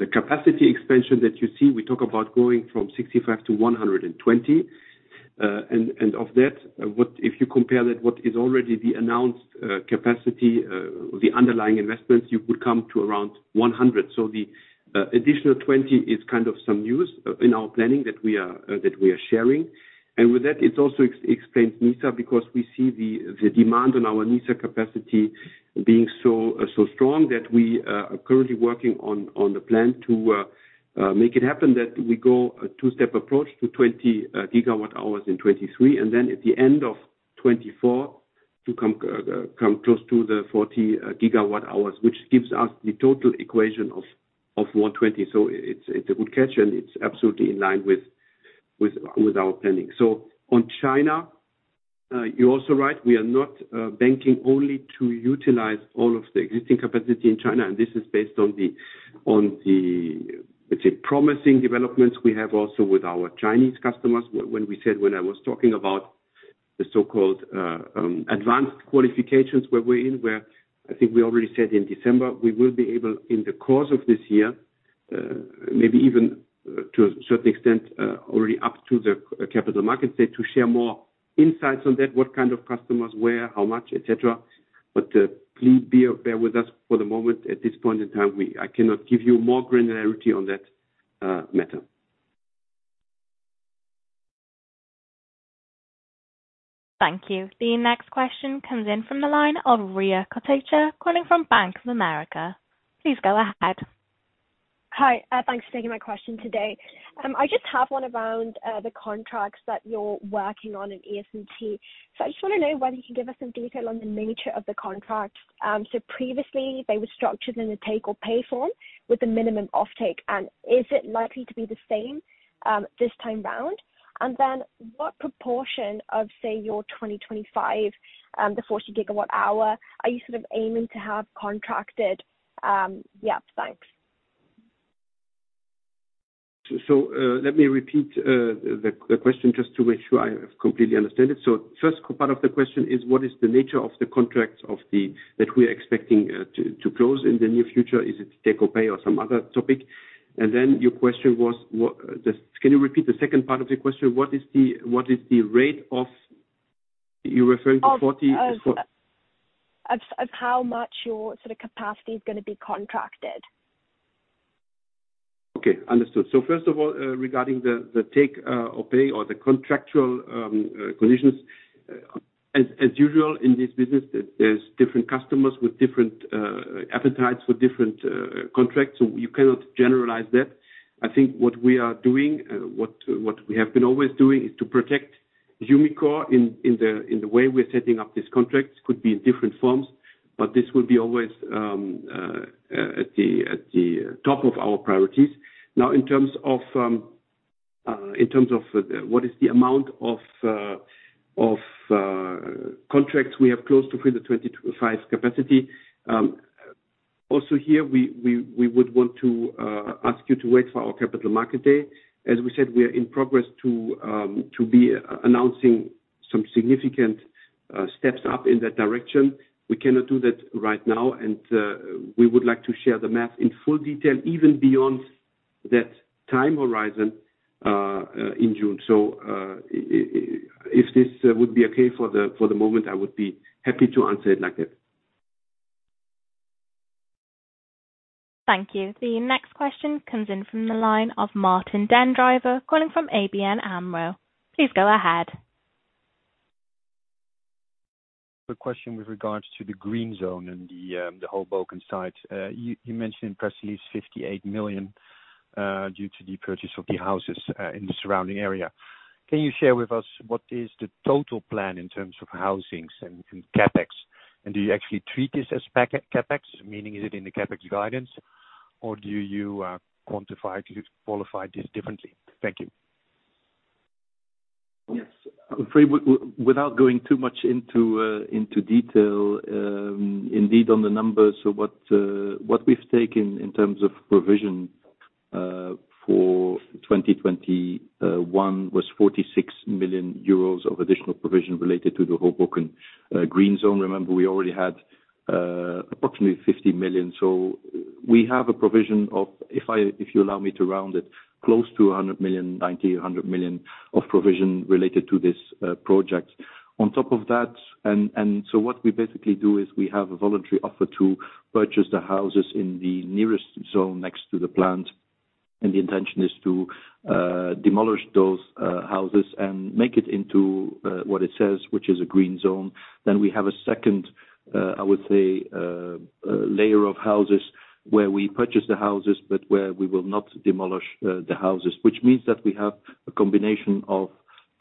the capacity expansion that you see, we talk about going from 65 GWh to 120 GWh. Of that, if you compare that to what is already the announced capacity, the underlying investments, you would come to around 100 GWh. The additional 20 GWh is kind of some news in our planning that we are sharing. With that, it also explains Nysa because we see the demand on our Nysa capacity being so strong that we are currently working on the plan to make it happen, that we go a two step approach to 20 GWh in 2023. Then at the end of 2024 to come close to the 40 GWh, which gives us the total equation of 120 GWh. It's a good catch, and it's absolutely in line with our planning. On China, you're also right. We are not banking on only utilizing all of the existing capacity in China, and this is based on the, let's say, promising developments we have also with our Chinese customers. When we said, when I was talking about the so-called advanced qualifications where we're in, I think we already said in December, we will be able, in the course of this year, maybe even to a certain extent, already up to the Capital Markets Day, to share more insights on that, what kind of customers, where, how much, et cetera. Please bear with us for the moment. At this point in time, I cannot give you more granularity on that matter. Thank you. The next question comes in from the line of Rhea Kotecha calling from Bank of America. Please go ahead. Hi, thanks for taking my question today. I just have one around the contracts that you're working on in E&ST. I just wanna know whether you can give us some detail on the nature of the contract. Previously they were structured in a take-or-pay form with a minimum offtake, and is it likely to be the same this time round? Then what proportion of, say, your 2025, the 40 GWh, are you sort of aiming to have contracted? Thanks. Let me repeat the question just to make sure I have completely understand it. First part of the question is what is the nature of the contracts that we are expecting to close in the near future? Is it take or pay or some other topic? Then your question was what, Can you repeat the second part of the question? What is the rate of, You're referring to 40 GWh, Of how much your sort of capacity is gonna be contracted. Okay, understood. First of all, regarding the take or pay or the contractual conditions, as usual in this business, there's different customers with different appetites for different contracts, so you cannot generalize that. I think what we are doing, what we have been always doing is to protect Umicore in the way we're setting up these contracts, could be in different forms, but this will be always at the top of our priorities. Now, in terms of what is the amount of contracts we have close to 2025 capacity. Also here, we would want to ask you to wait for our Capital Markets Day. As we said, we are in progress to be announcing some significant steps up in that direction. We cannot do that right now, and we would like to share the math in full detail even beyond that time horizon in June. If this would be okay for the moment, I would be happy to answer it like that. Thank you. The next question comes in from the line of Martijn Den Drijver, calling from ABN AMRO. Please go ahead. A question with regards to the green zone and the Hoboken site. You mentioned in press release 58 million due to the purchase of the houses in the surrounding area. Can you share with us what is the total plan in terms of housings and CapEx? And do you actually treat this as CapEx? Meaning is it in the CapEx guidance or do you quantify it, qualify this differently? Thank you. Yes. Without going too much into detail, indeed, on the numbers. What we've taken in terms of provision for 2021 was 46 million euros of additional provision related to the Hoboken green zone. Remember, we already had approximately 50 million. We have a provision of, if you allow me to round it, close to 100 million, 90 million-100 million of provision related to this project. On top of that, what we basically do is we have a voluntary offer to purchase the houses in the nearest zone next to the plant, and the intention is to demolish those houses and make it into what it says, which is a green zone. We have a second layer of houses where we purchase the houses, but where we will not demolish the houses, which means that we have a combination of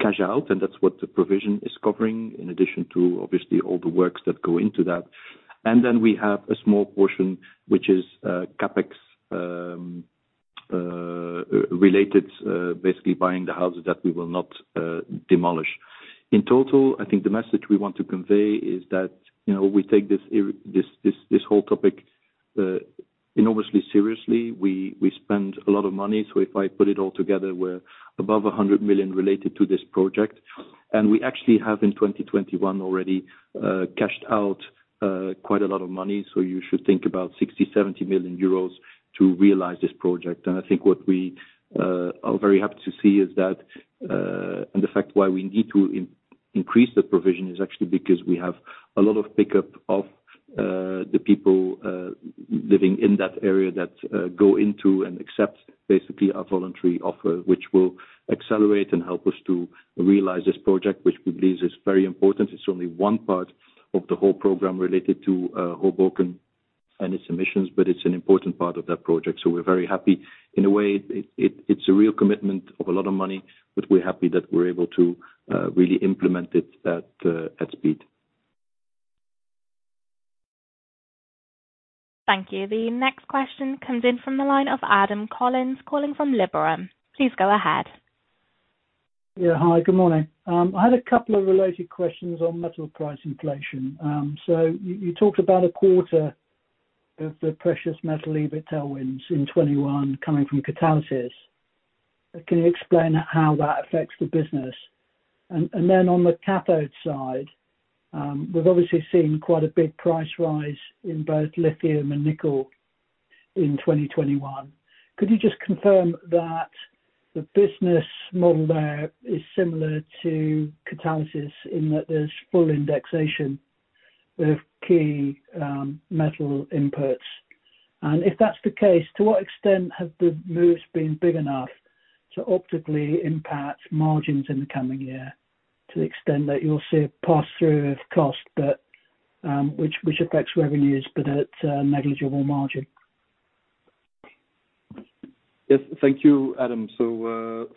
cash out, and that's what the provision is covering, in addition to obviously all the works that go into that. We have a small portion which is CapEx related, basically buying the houses that we will not demolish. In total, I think the message we want to convey is that, you know, we take this whole topic enormously seriously. We spend a lot of money. If I put it all together, we're above 100 million related to this project. We actually have in 2021 already cashed out quite a lot of money. You should think about 60 million-70 million euros to realize this project. I think what we are very happy to see is that and the fact why we need to increase the provision is actually because we have a lot of pickup of the people living in that area that go into and accept basically our voluntary offer, which will accelerate and help us to realize this project, which we believe is very important. It's only one part of the whole program related to Hoboken and its emissions, but it's an important part of that project. We're very happy. In a way, it's a real commitment of a lot of money, but we're happy that we're able to really implement it at speed. Thank you. The next question comes in from the line of Adam Collins, calling from Liberum. Please go ahead. Yeah. Hi, good morning. I had a couple of related questions on metal price inflation. So you talked about a quarter of the precious metal EBIT headwinds in 2021 coming from Catalysis. Can you explain how that affects the business? And then on the cathode side, we've obviously seen quite a big price rise in both lithium and nickel in 2021. Could you just confirm that the business model there is similar to Catalysis in that there's full indexation of key metal inputs? And if that's the case, to what extent have the moves been big enough to optically impact margins in the coming year, to the extent that you'll see a pass-through of cost that- which affects revenues, but at negligible margin. Yes. Thank you, Adam.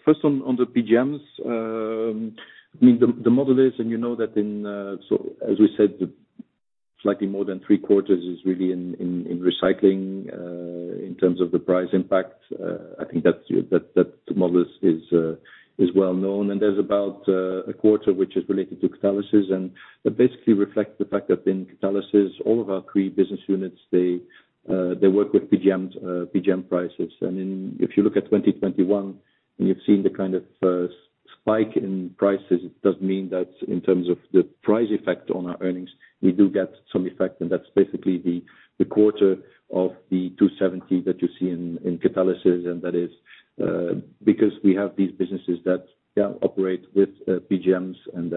First on the PGMs, I mean, the model is, and you know that in, as we said, slightly more than three quarters is really in recycling in terms of the price impact. I think that that model is well-known, and there's about a quarter which is related to catalysis, and that basically reflects the fact that in catalysis, all of our three business units, they work with PGMs, PGM prices. If you look at 2021, and you've seen the kind of spike in prices, it does mean that in terms of the price effect on our earnings, we do get some effect, and that's basically the quarter of the 270 that you see in catalysis. That is because we have these businesses that operate with PGMs and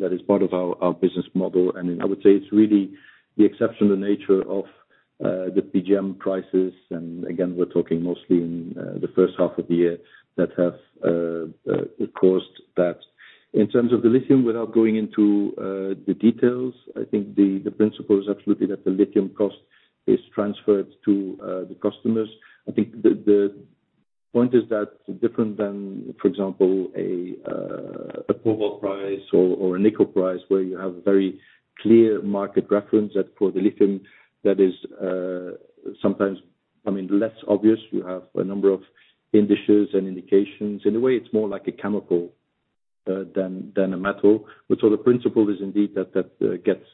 that is part of our business model. Then I would say it's really the exceptional nature of the PGM prices, and again, we're talking mostly in the first half of the year that have caused that. In terms of the lithium, without going into the details, I think the principle is absolutely that the lithium cost is transferred to the customers. I think the point is that different than, for example, a cobalt price or a nickel price, where you have a very clear market reference that for the lithium, that is sometimes, I mean, less obvious. You have a number of indices and indications. In a way, it's more like a chemical than a metal. The principle is indeed that gets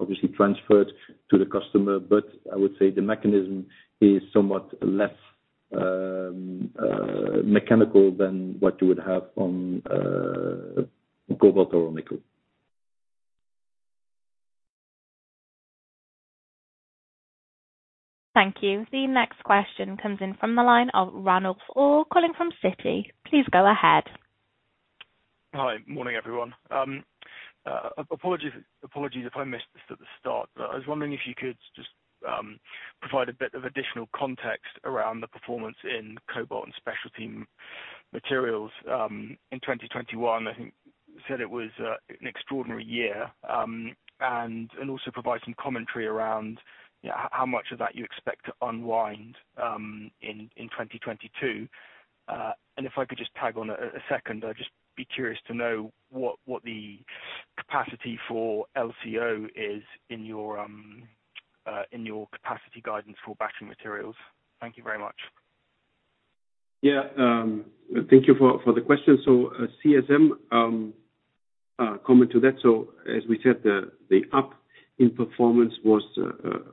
obviously transferred to the customer, but I would say the mechanism is somewhat less mechanical than what you would have on cobalt or nickel. Thank you. The next question comes in from the line of Ranulf Orr calling from Citi. Please go ahead. Hi. Morning, everyone. Apologies if I missed this at the start, but I was wondering if you could just provide a bit of additional context around the performance in Cobalt & Specialty Materials in 2021. I think you said it was an extraordinary year, and also provide some commentary around, you know, how much of that you expect to unwind in 2022. If I could just tag on a second, I'd just be curious to know what the capacity for LCO is in your capacity guidance for battery materials. Thank you very much. Yeah. Thank you for the question. On CSM, comment on that. As we said, the uplift in performance was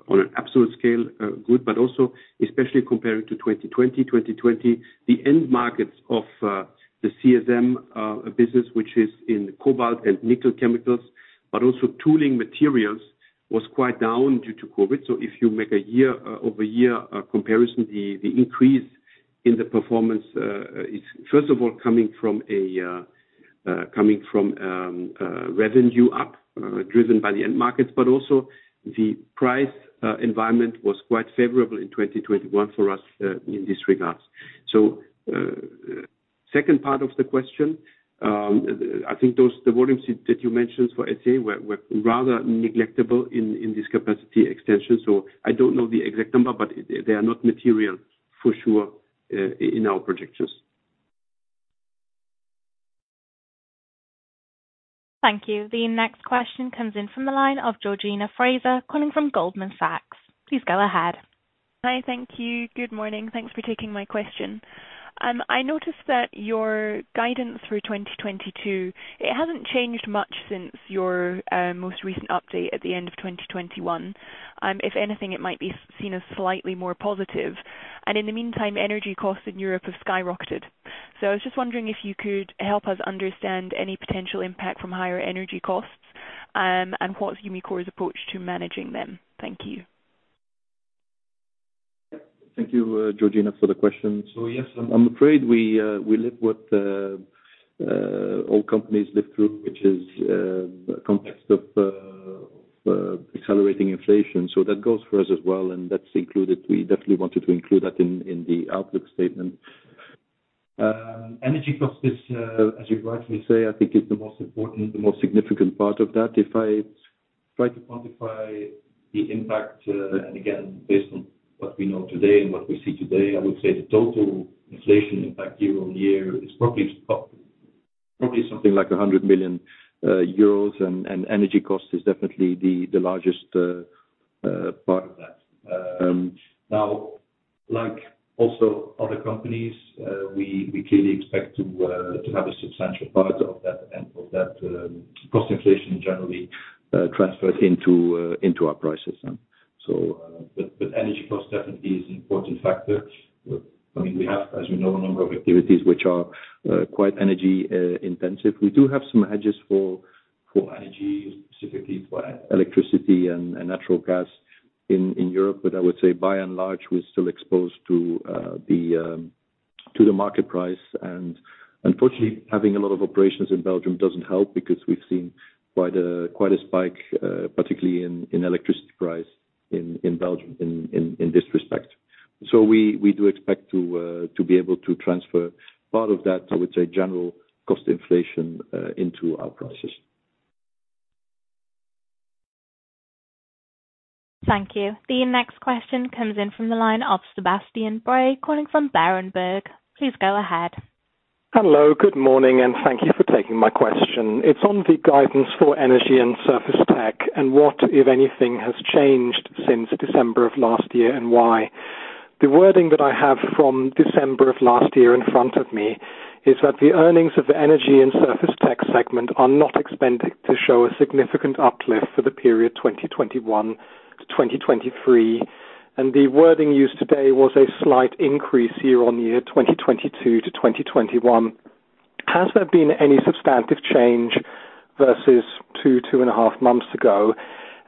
on an absolute scale good, but also especially compared to 2020. In 2020, the end markets of the CSM business, which is in cobalt and nickel chemicals, but also tooling materials, were quite down due to COVID. If you make a year-over-year comparison, the increase in the performance is first of all coming from revenue up driven by the end markets. Also the price environment was quite favorable in 2021 for us in this regard. Second part of the question, I think those, the volumes that you mentioned for SA were rather negligible in this capacity extension. I don't know the exact number, but they are not material for sure in our projections. Thank you. The next question comes in from the line of Georgina Fraser, calling from Goldman Sachs. Please go ahead. Hi. Thank you. Good morning. Thanks for taking my question. I noticed that your guidance for 2022, it hasn't changed much since your most recent update at the end of 2021. If anything, it might be seen as slightly more positive. In the meantime, energy costs in Europe have skyrocketed. I was just wondering if you could help us understand any potential impact from higher energy costs, and what's Umicore's approach to managing them. Thank you. Thank you, Georgina, for the question. Yes, I'm afraid we live what all companies live through, which is a context of accelerating inflation. That goes for us as well, and that's included. We definitely wanted to include that in the outlook statement. Energy costs is, as you rightly say, I think is the most important, the most significant part of that. If I try to quantify the impact, and again, based on what we know today and what we see today, I would say the total inflation impact year-over-year is probably something like 100 million euros, and energy cost is definitely the largest part of that. Now, like also other companies, we clearly expect to have a substantial part of that cost inflation generally transferred into our prices. Energy cost definitely is an important factor. I mean, we have, as you know, a number of activities which are quite energy intensive. We do have some hedges for energy, specifically for electricity and natural gas in Europe, but I would say by and large, we're still exposed to the market price. Unfortunately, having a lot of operations in Belgium doesn't help because we've seen quite a spike, particularly in electricity price in this respect. We do expect to be able to transfer part of that, I would say, general cost inflation into our prices. Thank you. The next question comes in from the line of Sebastian Bray, calling from Berenberg. Please go ahead. Hello, good morning, and thank you for taking my question. It's on the guidance for Energy and Surface Tech and what, if anything, has changed since December of last year and why. The wording that I have from December of last year in front of me is that the earnings of the Energy and Surface Tech segment are not expected to show a significant uplift for the period 2021 to 2023, and the wording used today was a slight increase year-on-year, 2022 to 2021. Has there been any substantive change versus two and a half months ago?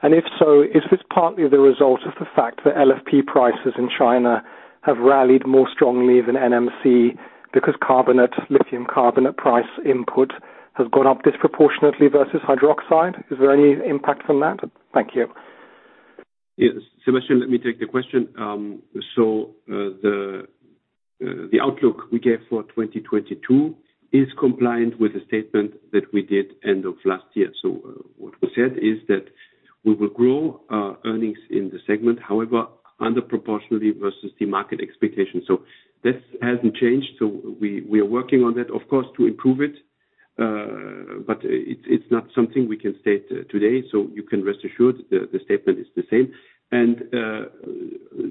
And if so, is this partly the result of the fact that LFP prices in China have rallied more strongly than NMC because carbonate, lithium carbonate price input has gone up disproportionately versus hydroxide? Is there any impact from that? Thank you. Yes. Sebastian, let me take the question. The outlook we gave for 2022 is compliant with the statement that we did end of last year. What we said is that we will grow earnings in the segment, however, under proportionally versus the market expectations. This hasn't changed. We are working on that, of course, to improve it. It is not something we can state today, so you can rest assured the statement is the same.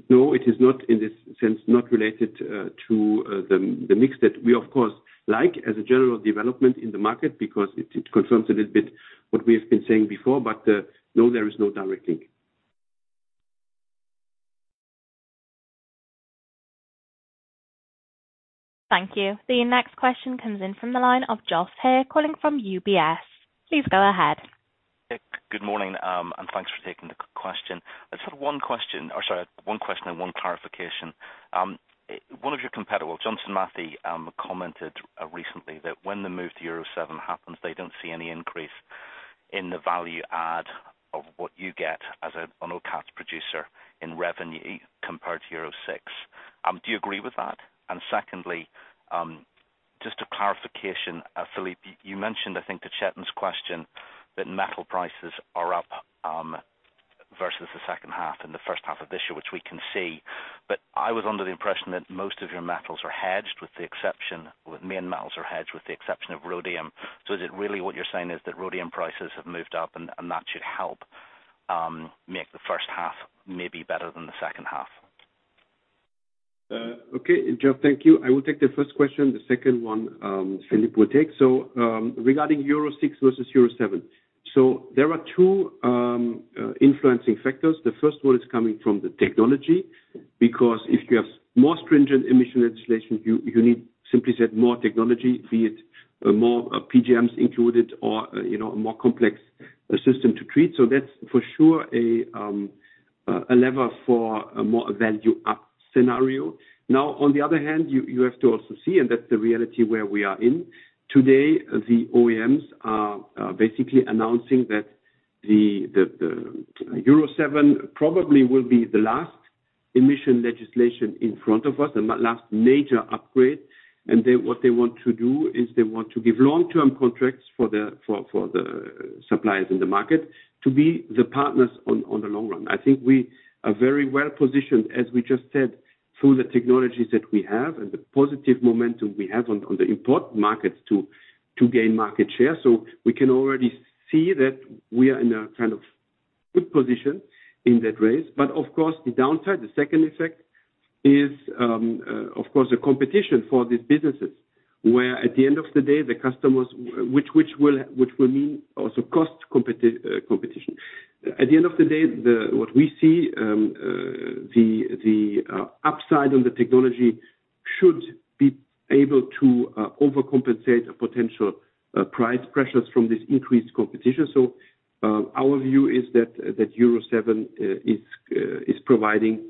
No, it is not in this sense, not related to the mix that we, of course, like as a general development in the market because it confirms a little bit what we have been saying before. No, there is no direct link. Thank you. The next question comes in from the line of Geoff Haire, calling from UBS. Please go ahead. Good morning and thanks for taking the question. I just had one question and one clarification. One of your competitors, Johnson Matthey, commented recently that when the move to Euro 7 happens, they don't see any increase in the value add of what you get as an autocats producer in revenue compared to Euro 6. Do you agree with that? Secondly, just a clarification, Filip, you mentioned, I think, to Chetan's question, that metal prices are up versus the second half and the first half of this year, which we can see. I was under the impression that most of your main metals are hedged with the exception of rhodium. Is it really what you're saying is that rhodium prices have moved up and that should help make the first half maybe better than the second half? Okay, Geoff, thank you. I will take the first question. The second one, Filip will take. Regarding Euro 6 versus Euro 7. There are two influencing factors. The first one is coming from the technology, because if you have more stringent emission legislation, you need simply said, more technology, be it more PGMs included or, you know, a more complex system to treat. That's for sure a level for a more value up scenario. Now, on the other hand, you have to also see, and that's the reality where we are in today, the OEMs are basically announcing that the Euro 7 probably will be the last emission legislation in front of us, the last major upgrade. What they want to do is give long-term contracts for the suppliers in the market to be the partners in the long run. I think we are very well positioned, as we just said, through the technologies that we have and the positive momentum we have on the important markets to gain market share. We can already see that we are in a kind of good position in that race. Of course, the downside, the second effect is, of course, the competition for these businesses, where at the end of the day, the customers, which will mean also cost competition. At the end of the day, what we see, the upside on the technology should be able to overcompensate a potential price pressures from this increased competition. Our view is that Euro 7 is providing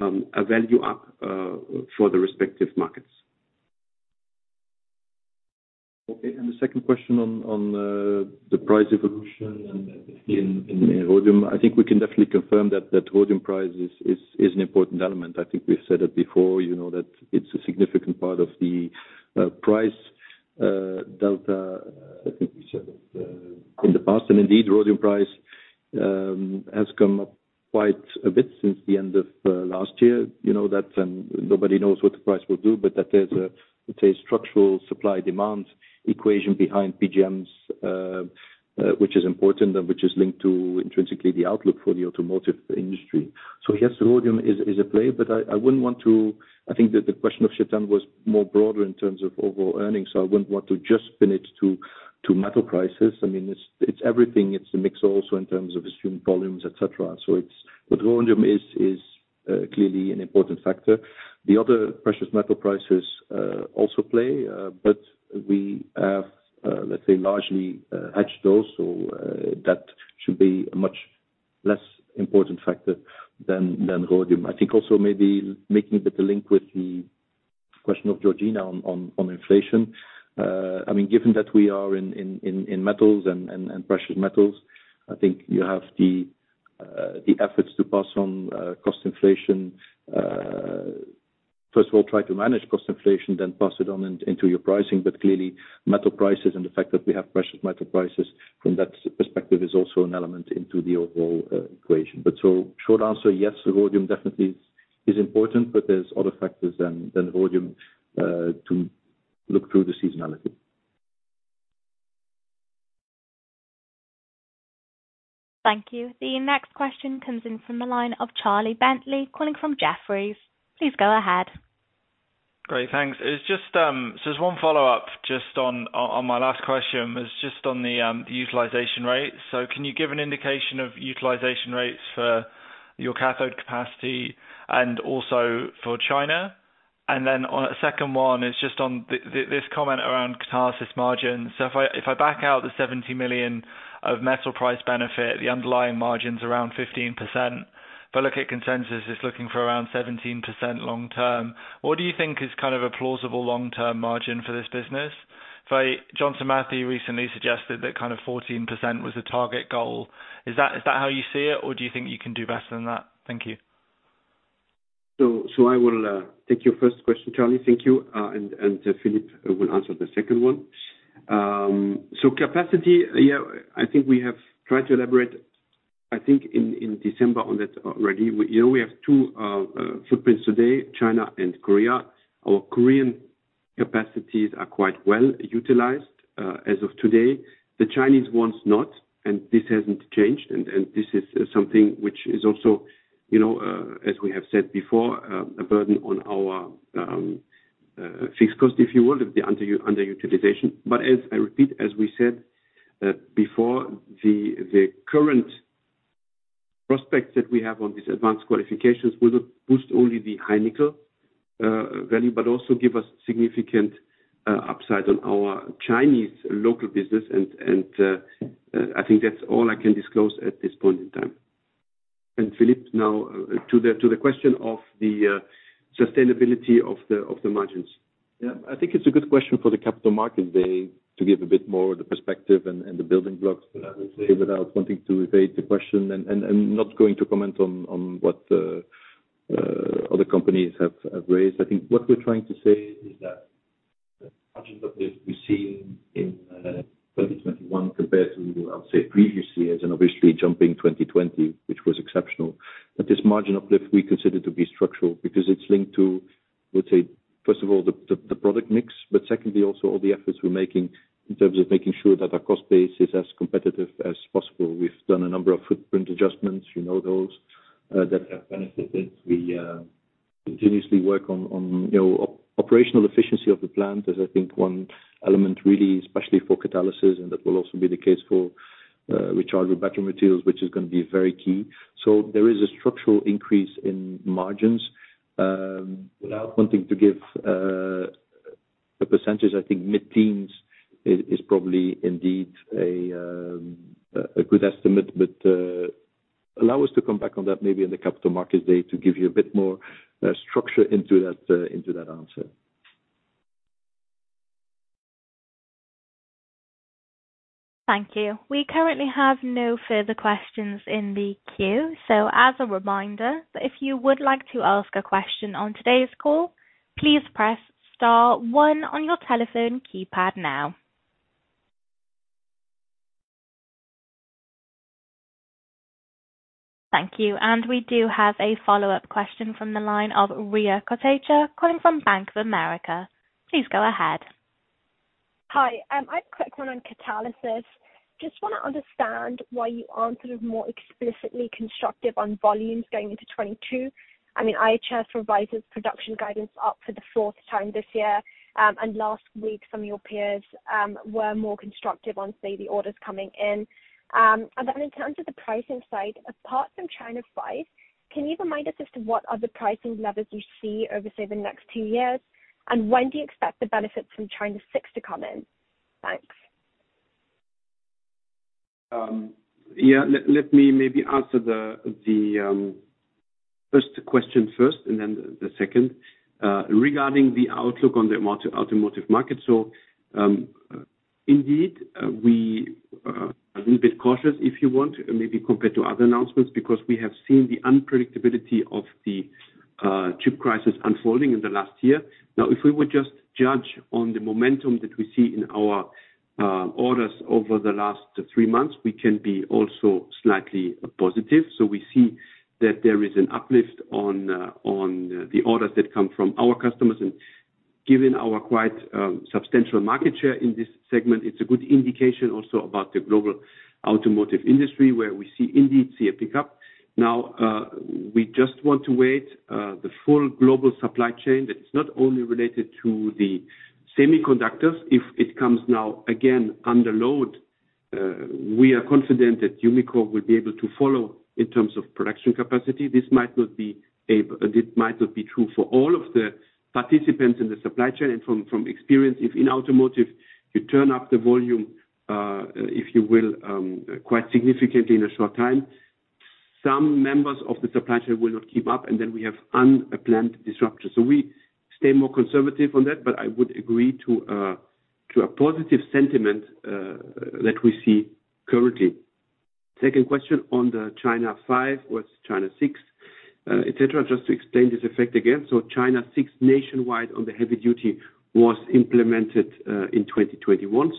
a value up for the respective markets. Okay. The second question on the price evolution and in rhodium, I think we can definitely confirm that rhodium price is an important element. I think we've said it before, you know, that it's a significant part of the price delta, I think we said it in the past. Indeed, rhodium price has come up quite a bit since the end of last year. You know that, and nobody knows what the price will do, but that there's a, let's say, structural supply demand equation behind PGMs, which is important and which is linked to intrinsically the outlook for the automotive industry. Yes, rhodium is a play, but I wouldn't want to I think that the question of Chetan was more broader in terms of overall earnings, so I wouldn't want to just pin it to metal prices. I mean, it's everything. It's a mix also in terms of assumed volumes, et cetera, but rhodium is clearly an important factor. The other precious metal prices also play, but we have, let's say, largely hedged those. That should be a much less important factor than rhodium. I think also maybe making a bit of link with the Question of Georgina on inflation. I mean, given that we are in metals and precious metals, I think you have the efforts to pass on cost inflation. First of all, try to manage cost inflation, then pass it on into your pricing. Clearly, metal prices and the fact that we have precious metal prices from that perspective is also an element into the overall equation. Short answer, yes, the rhodium definitely is important, but there's other factors than rhodium to look through the seasonality. Thank you. The next question comes in from the line of Charles Bentley calling from Jefferies. Please go ahead. Great. Thanks. It's just so there's one follow-up just on my last question was just on the utilization rate. Can you give an indication of utilization rates for your cathode capacity and also for China? On a second one is just on this comment around Catalysis margin. If I back out the 70 million of metal price benefit, the underlying margin's around 15%. But consensus is looking for around 17% long term. What do you think is kind of a plausible long-term margin for this business? Johnson Matthey recently suggested that kind of 14% was a target goal. Is that how you see it, or do you think you can do better than that? Thank you. I will take your first question, Charlie. Thank you. Filip will answer the second one. Capacity. Yeah, I think we have tried to elaborate, I think in December on that already. You know, we have two footprints today, China and Korea. Our Korean capacities are quite well utilized as of today. The Chinese ones not, and this hasn't changed. This is something which is also, you know, as we have said before, a burden on our fixed cost, if you will, of the underutilization. As I repeat, as we said before, the current prospects that we have on these advanced qualifications would boost not only the high nickel value, but also give us significant upside on our Chinese local business. I think that's all I can disclose at this point in time. Filip, now to the question of the sustainability of the margins. Yeah. I think it's a good question for the capital market day to give a bit more of the perspective and the building blocks. I would say without wanting to evade the question and not going to comment on what other companies have raised. I think what we're trying to say is that the margin uplift we've seen in 2021 compared to, I would say previously as obviously jumping 2020, which was exceptional. This margin uplift we consider to be structural because it's linked to, let's say, first of all, the product mix, but secondly also all the efforts we're making in terms of making sure that our cost base is as competitive as possible. We've done a number of footprint adjustments, you know, those that have benefited. We continuously work on, you know, operational efficiency of the plant is, I think, one element really, especially for Catalysis, and that will also be the case for Rechargeable Battery Materials, which is gonna be very key. There is a structural increase in margins without wanting to give a percentage. I think mid-teens% is probably indeed a good estimate, but allow us to come back on that maybe in the Capital Markets Day to give you a bit more structure into that answer. Thank you. We currently have no further questions in the queue. As a reminder, if you would like to ask a question on today's call, please press star one on your telephone keypad now. Thank you. We do have a follow-up question from the line of Rhea Kotecha, calling from Bank of America. Please go ahead. Hi. I have a quick one on Catalysis. Just wanna understand why you aren't sort of more explicitly constructive on volumes going into 2022. I mean, IHS revised its production guidance up for the fourth time this year. Last week, your peers were more constructive on say the orders coming in. Then in terms of the pricing side, apart from China 5, can you remind us as to what other pricing levels you see over, say, the next two years? When do you expect the benefits from China 6 to come in? Thanks. Yeah, let me maybe answer the first question first and then the second regarding the outlook on the automotive market. Indeed, we are a little bit cautious, if you want, maybe compared to other announcements, because we have seen the unpredictability of the chip crisis unfolding in the last year. Now, if we would just judge on the momentum that we see in our orders over the last three months, we can be also slightly positive. We see that there is an uplift on the orders that come from our customers. Given our quite substantial market share in this segment, it's a good indication also about the global automotive industry, where we indeed see a pickup. Now, we just want to wait for the full global supply chain that is not only related to the semiconductors. If it comes now again under load, we are confident that Umicore will be able to follow in terms of production capacity. This might not be true for all of the participants in the supply chain. From experience, if in automotive you turn up the volume, if you will, quite significantly in a short time, some members of the supply chain will not keep up, and then we have unplanned disruption. We stay more conservative on that. I would agree to a positive sentiment that we see currently. Second question on the China 5 was China 6, etc. Just to explain this effect again. China 6 nationwide on the heavy-duty was implemented in 2021.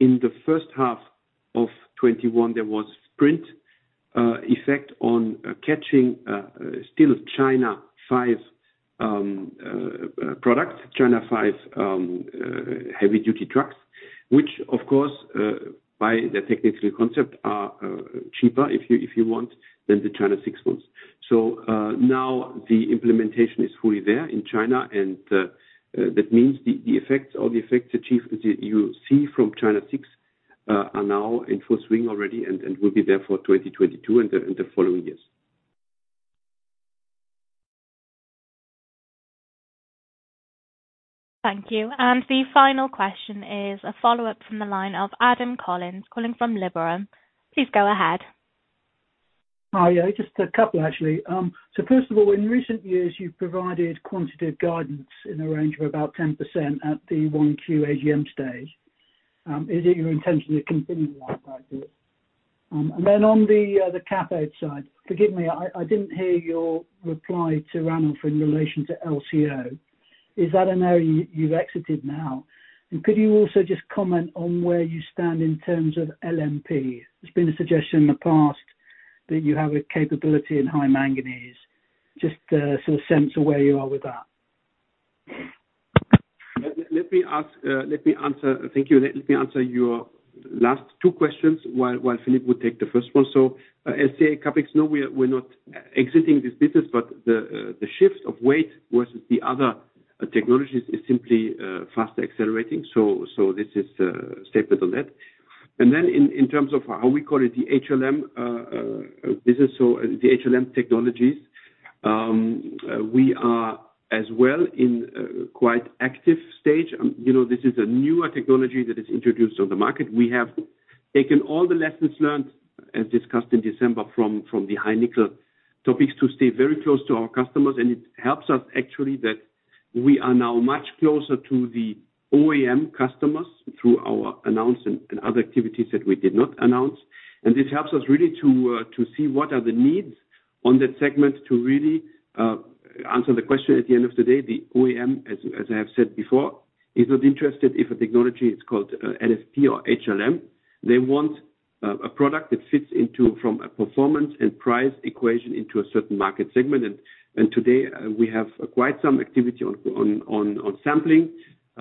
In the first half of 2021, there was sprint effect on catching still China 5 products, China 5 heavy-duty trucks, which of course by the technical concept are cheaper if you want than the China 6 ones. Now the implementation is fully there in China. That means the effects achieved you see from China 6 are now in full swing already and will be there for 2022 and the following years. Thank you. The final question is a follow-up from the line of Adam Collins calling from Liberum. Please go ahead. Hi. Yeah, just a couple actually. So first of all, in recent years you've provided quantitative guidance in the range of about 10% at the 1Q AGM stage. Is it your intention to continue that practice? And then on the CapEx side, forgive me, I didn't hear your reply to Ranulf in relation to LCO. Is that an area you've exited now? And could you also just comment on where you stand in terms of LMP? There's been a suggestion in the past that you have a capability in high manganese. Just sort of sense of where you are with that. Let me answer. Thank you. Let me answer your last two questions while Filip will take the first one. LCO CapEx, no, we're not exiting this business, but the shift of weight versus the other technologies is simply faster accelerating. This is statement on that. Then in terms of how we call it the HLM business, so the HLM technologies, we are as well in a quite active stage. You know, this is a newer technology that is introduced on the market. We have taken all the lessons learned, as discussed in December from the high nickel topics, to stay very close to our customers. It helps us actually that we are now much closer to the OEM customers through our announce and other activities that we did not announce. This helps us really to see what are the needs on that segment to really answer the question. At the end of the day, the OEM, as I have said before, is not interested if a technology is called LFP or HLM. They want a product that fits into from a performance and price equation into a certain market segment. Today we have quite some activity on sampling,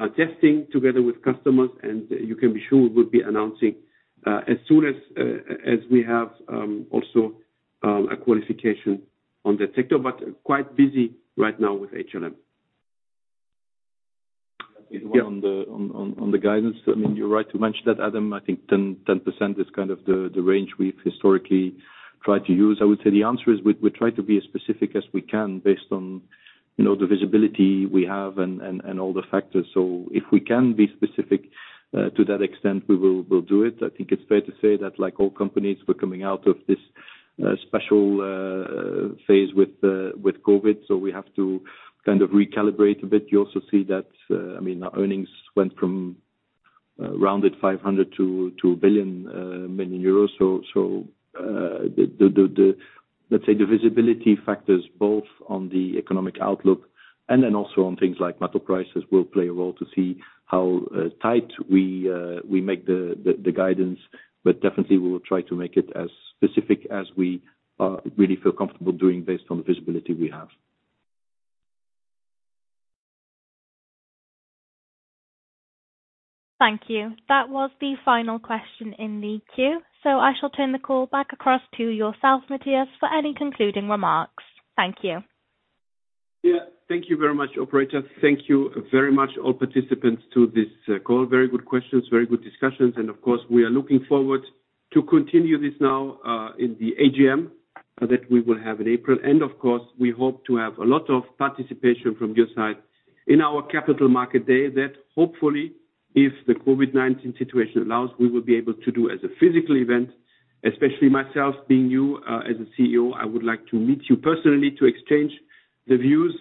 testing together with customers. You can be sure we will be announcing as soon as we have also a qualification on that sector. Quite busy right now with HLM. On the guidance, I mean, you're right to mention that, Adam. I think 10% is kind of the range we've historically tried to use. I would say the answer is we try to be as specific as we can based on, you know, the visibility we have and all the factors. If we can be specific to that extent, we will do it. I think it's fair to say that like all companies, we're coming out of this special phase with COVID, so we have to kind of recalibrate a bit. You also see that, I mean, our earnings went from rounded 500 million euros to EUR 1 billion. Let's say the visibility factors both on the economic outlook and then also on things like metal prices will play a role to see how tight we make the guidance. Definitely we will try to make it as specific as we really feel comfortable doing based on the visibility we have. Thank you. That was the final question in the queue. I shall turn the call back across to yourself, Mathias, for any concluding remarks. Thank you. Yeah. Thank you very much, operator. Thank you very much all participants to this call. Very good questions, very good discussions. Of course, we are looking forward to continue this now in the AGM that we will have in April. Of course, we hope to have a lot of participation from your side in our capital market day that hopefully if the COVID-19 situation allows, we will be able to do as a physical event, especially myself being CEO, I would like to meet you personally to exchange the views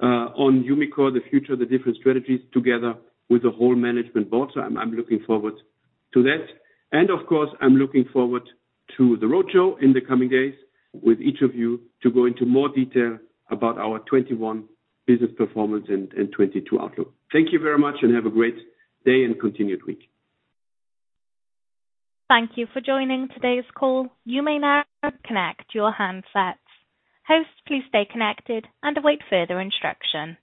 on Umicore, the future, the different strategies together with the whole management board. I'm looking forward to that. Of course, I'm looking forward to the roadshow in the coming days with each of you to go into more detail about our 2021 business performance and 2022 outlook. Thank you very much and have a great day and continued week. Thank you for joining today's call. You may now disconnect your handsets. Hosts, please stay connected and await further instruction.